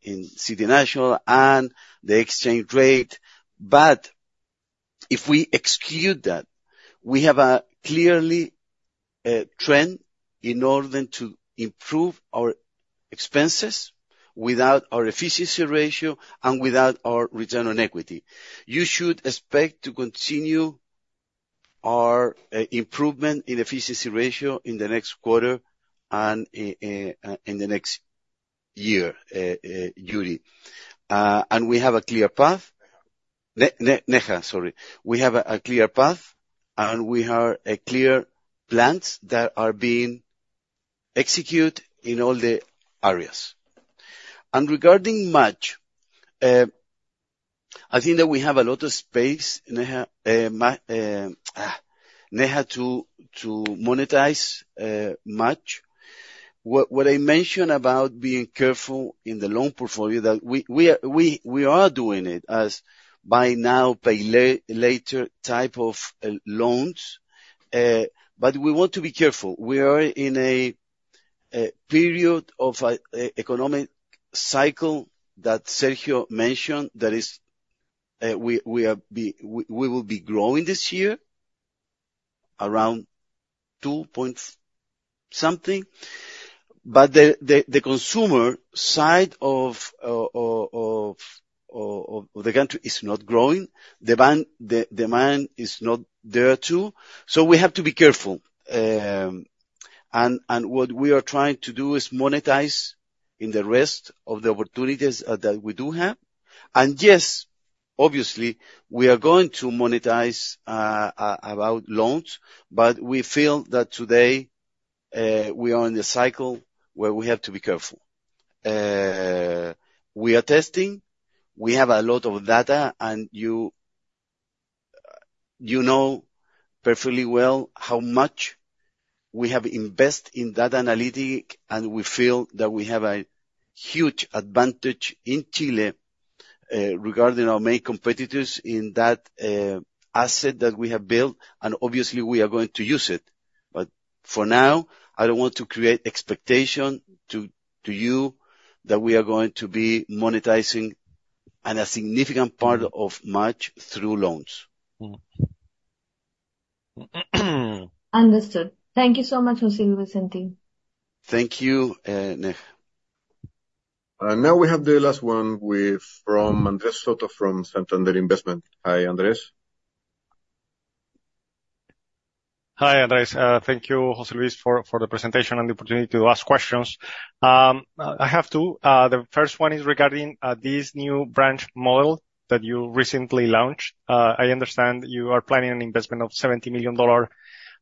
in City National and the exchange rate. But if we execute that, we have a clear trend in order to improve our expenses without our efficiency ratio and without our return on equity. You should expect to continue our improvement in efficiency ratio in the next quarter and in the next year, Yuri. We have a clear path. Neha, sorry. We have a clear path and we have a clear plans that are being executed in all the areas. Regarding MACH, I think that we have a lot of space, Neha, to monetize MACH. What I mentioned about being careful in the loan portfolio, that we are doing it as buy now, pay later type of loans. We want to be careful. We are in a period of an economic cycle that Sergio mentioned, that is, we will be growing this year around two point something. The consumer side of the country is not growing. The demand is not there too. We have to be careful. What we are trying to do is monetize in the rest of the opportunities that we do have. Yes, obviously, we are going to monetize about loans, but we feel that today we are in a cycle where we have to be careful. We are testing. We have a lot of data and you know perfectly well how much we have invest in data analytic, and we feel that we have a huge advantage in Chile regarding our main competitors in that asset that we have built, and obviously we are going to use it. For now, I don't want to create expectation to you that we are going to be monetizing a significant part of MACH through loans. Understood. Thank you so much, José Luis and team. Thank you, Neha Agarwala. Now we have the last one from Andres Soto from Santander Investment. Hi, Andrés. Hi, Andres. Thank you, José Luis, for the presentation and the opportunity to ask questions. I have two. The first one is regarding this new branch model that you recently launched. I understand you are planning an investment of $70 million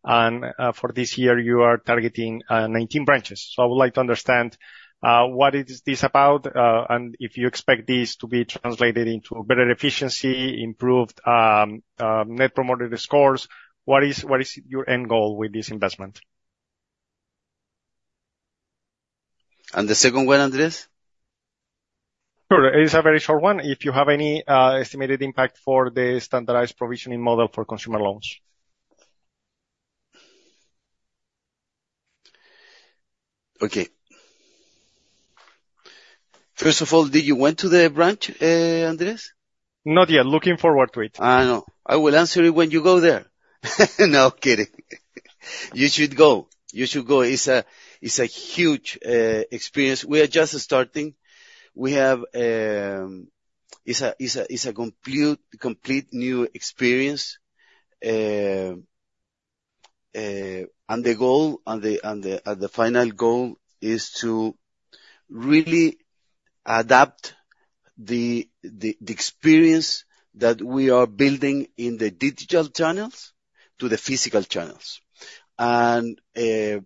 and for this year, you are targeting 19 branches. I would like to understand what this is about and if you expect this to be translated into better efficiency, improved net promoter scores. What is your end goal with this investment? The second one, Andres? Sure. It's a very short one. If you have any estimated impact for the standardized provisioning model for consumer loans? Okay. First of all, did you went to the branch, Andres? Not yet. Looking forward to it. I know. I will answer you when you go there. No kidding. You should go. It's a huge experience. We are just starting. We have. It's a complete new experience. The final goal is to really adapt the experience that we are building in the digital channels to the physical channels. It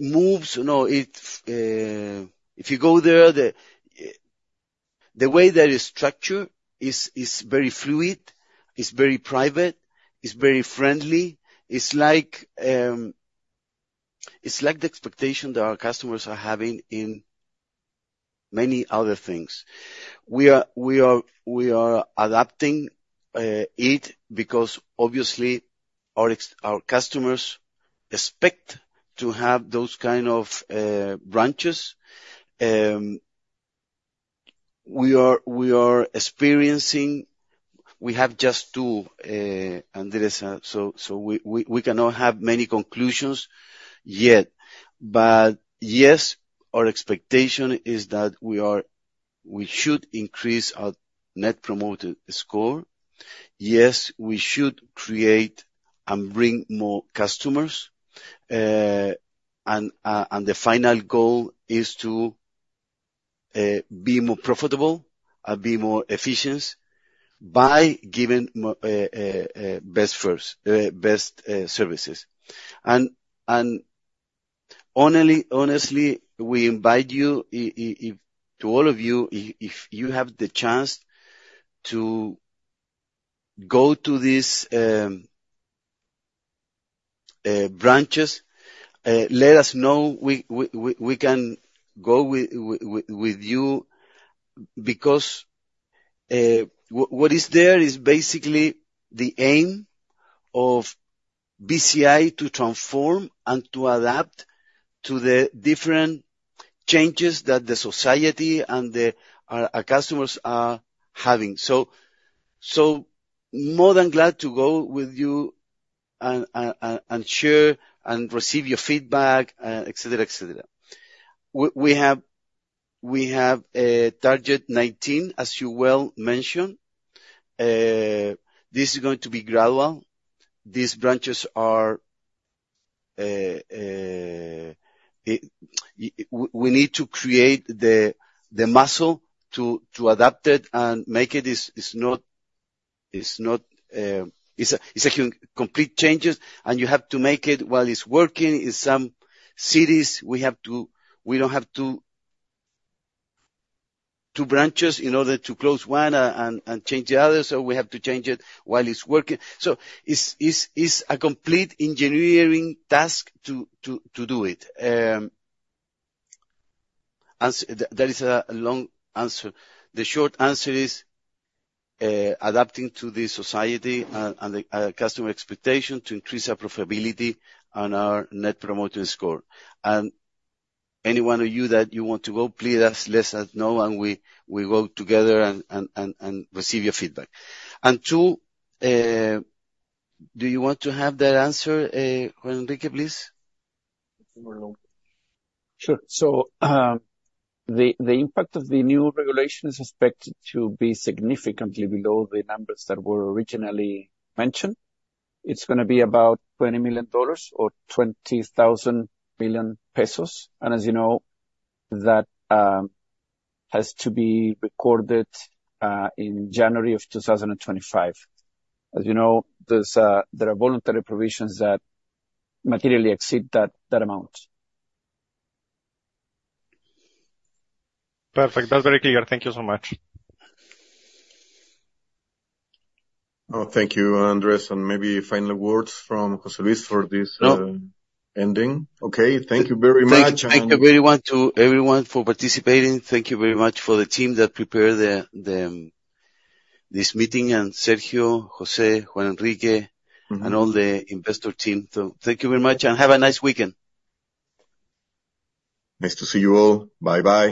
moves, you know. If you go there, the way that is structured is very fluid, it's very private, it's very friendly. It's like it's like the expectation that our customers are having in many other things. We are adapting it because obviously our customers expect to have those kind of branches. We are experiencing. We have just two, Andres, so we cannot have many conclusions yet. Yes, our expectation is that we should increase our net promoter score. Yes, we should create and bring more customers. The final goal is to be more profitable and be more efficient by giving best services. Honestly, we invite all of you if you have the chance to go to these branches, let us know. We can go with you because what is there is basically the aim of BCI to transform and to adapt to the different changes that the society and our customers are having. More than glad to go with you and share and receive your feedback, etc., etc. We have target 19, as you well mentioned. This is going to be gradual. These branches are. We need to create the muscle to adapt it and make it. It's not. It's a complete changes, and you have to make it while it's working. In some cities, we don't have two branches in order to close one and change the other, so we have to change it while it's working. It's a complete engineering task to do it. That is a long answer. The short answer is adapting to the society and the customer expectation to increase our profitability and our net promoter score. Anyone of you that you want to go, please let us know and we go together and receive your feedback. Too, do you want to have that answer, Juan Enrique, please? Sure. The impact of the new regulation is expected to be significantly below the numbers that were originally mentioned. It's gonna be about $20 million or 20 billion pesos. As you know, that has to be recorded in January 2025. As you know, there are voluntary provisions that materially exceed that amount. Perfect. That's very clear. Thank you so much. Oh, thank you, Andres, and maybe final words from José Luis for this. No. ending. Okay. Thank you very much. Thank you very much to everyone for participating. Thank you very much for the team that prepared this meeting, and Sergio, José, Juan Enrique. Mm-hmm. All the investor team. Thank you very much and have a nice weekend. Nice to see you all. Bye-bye.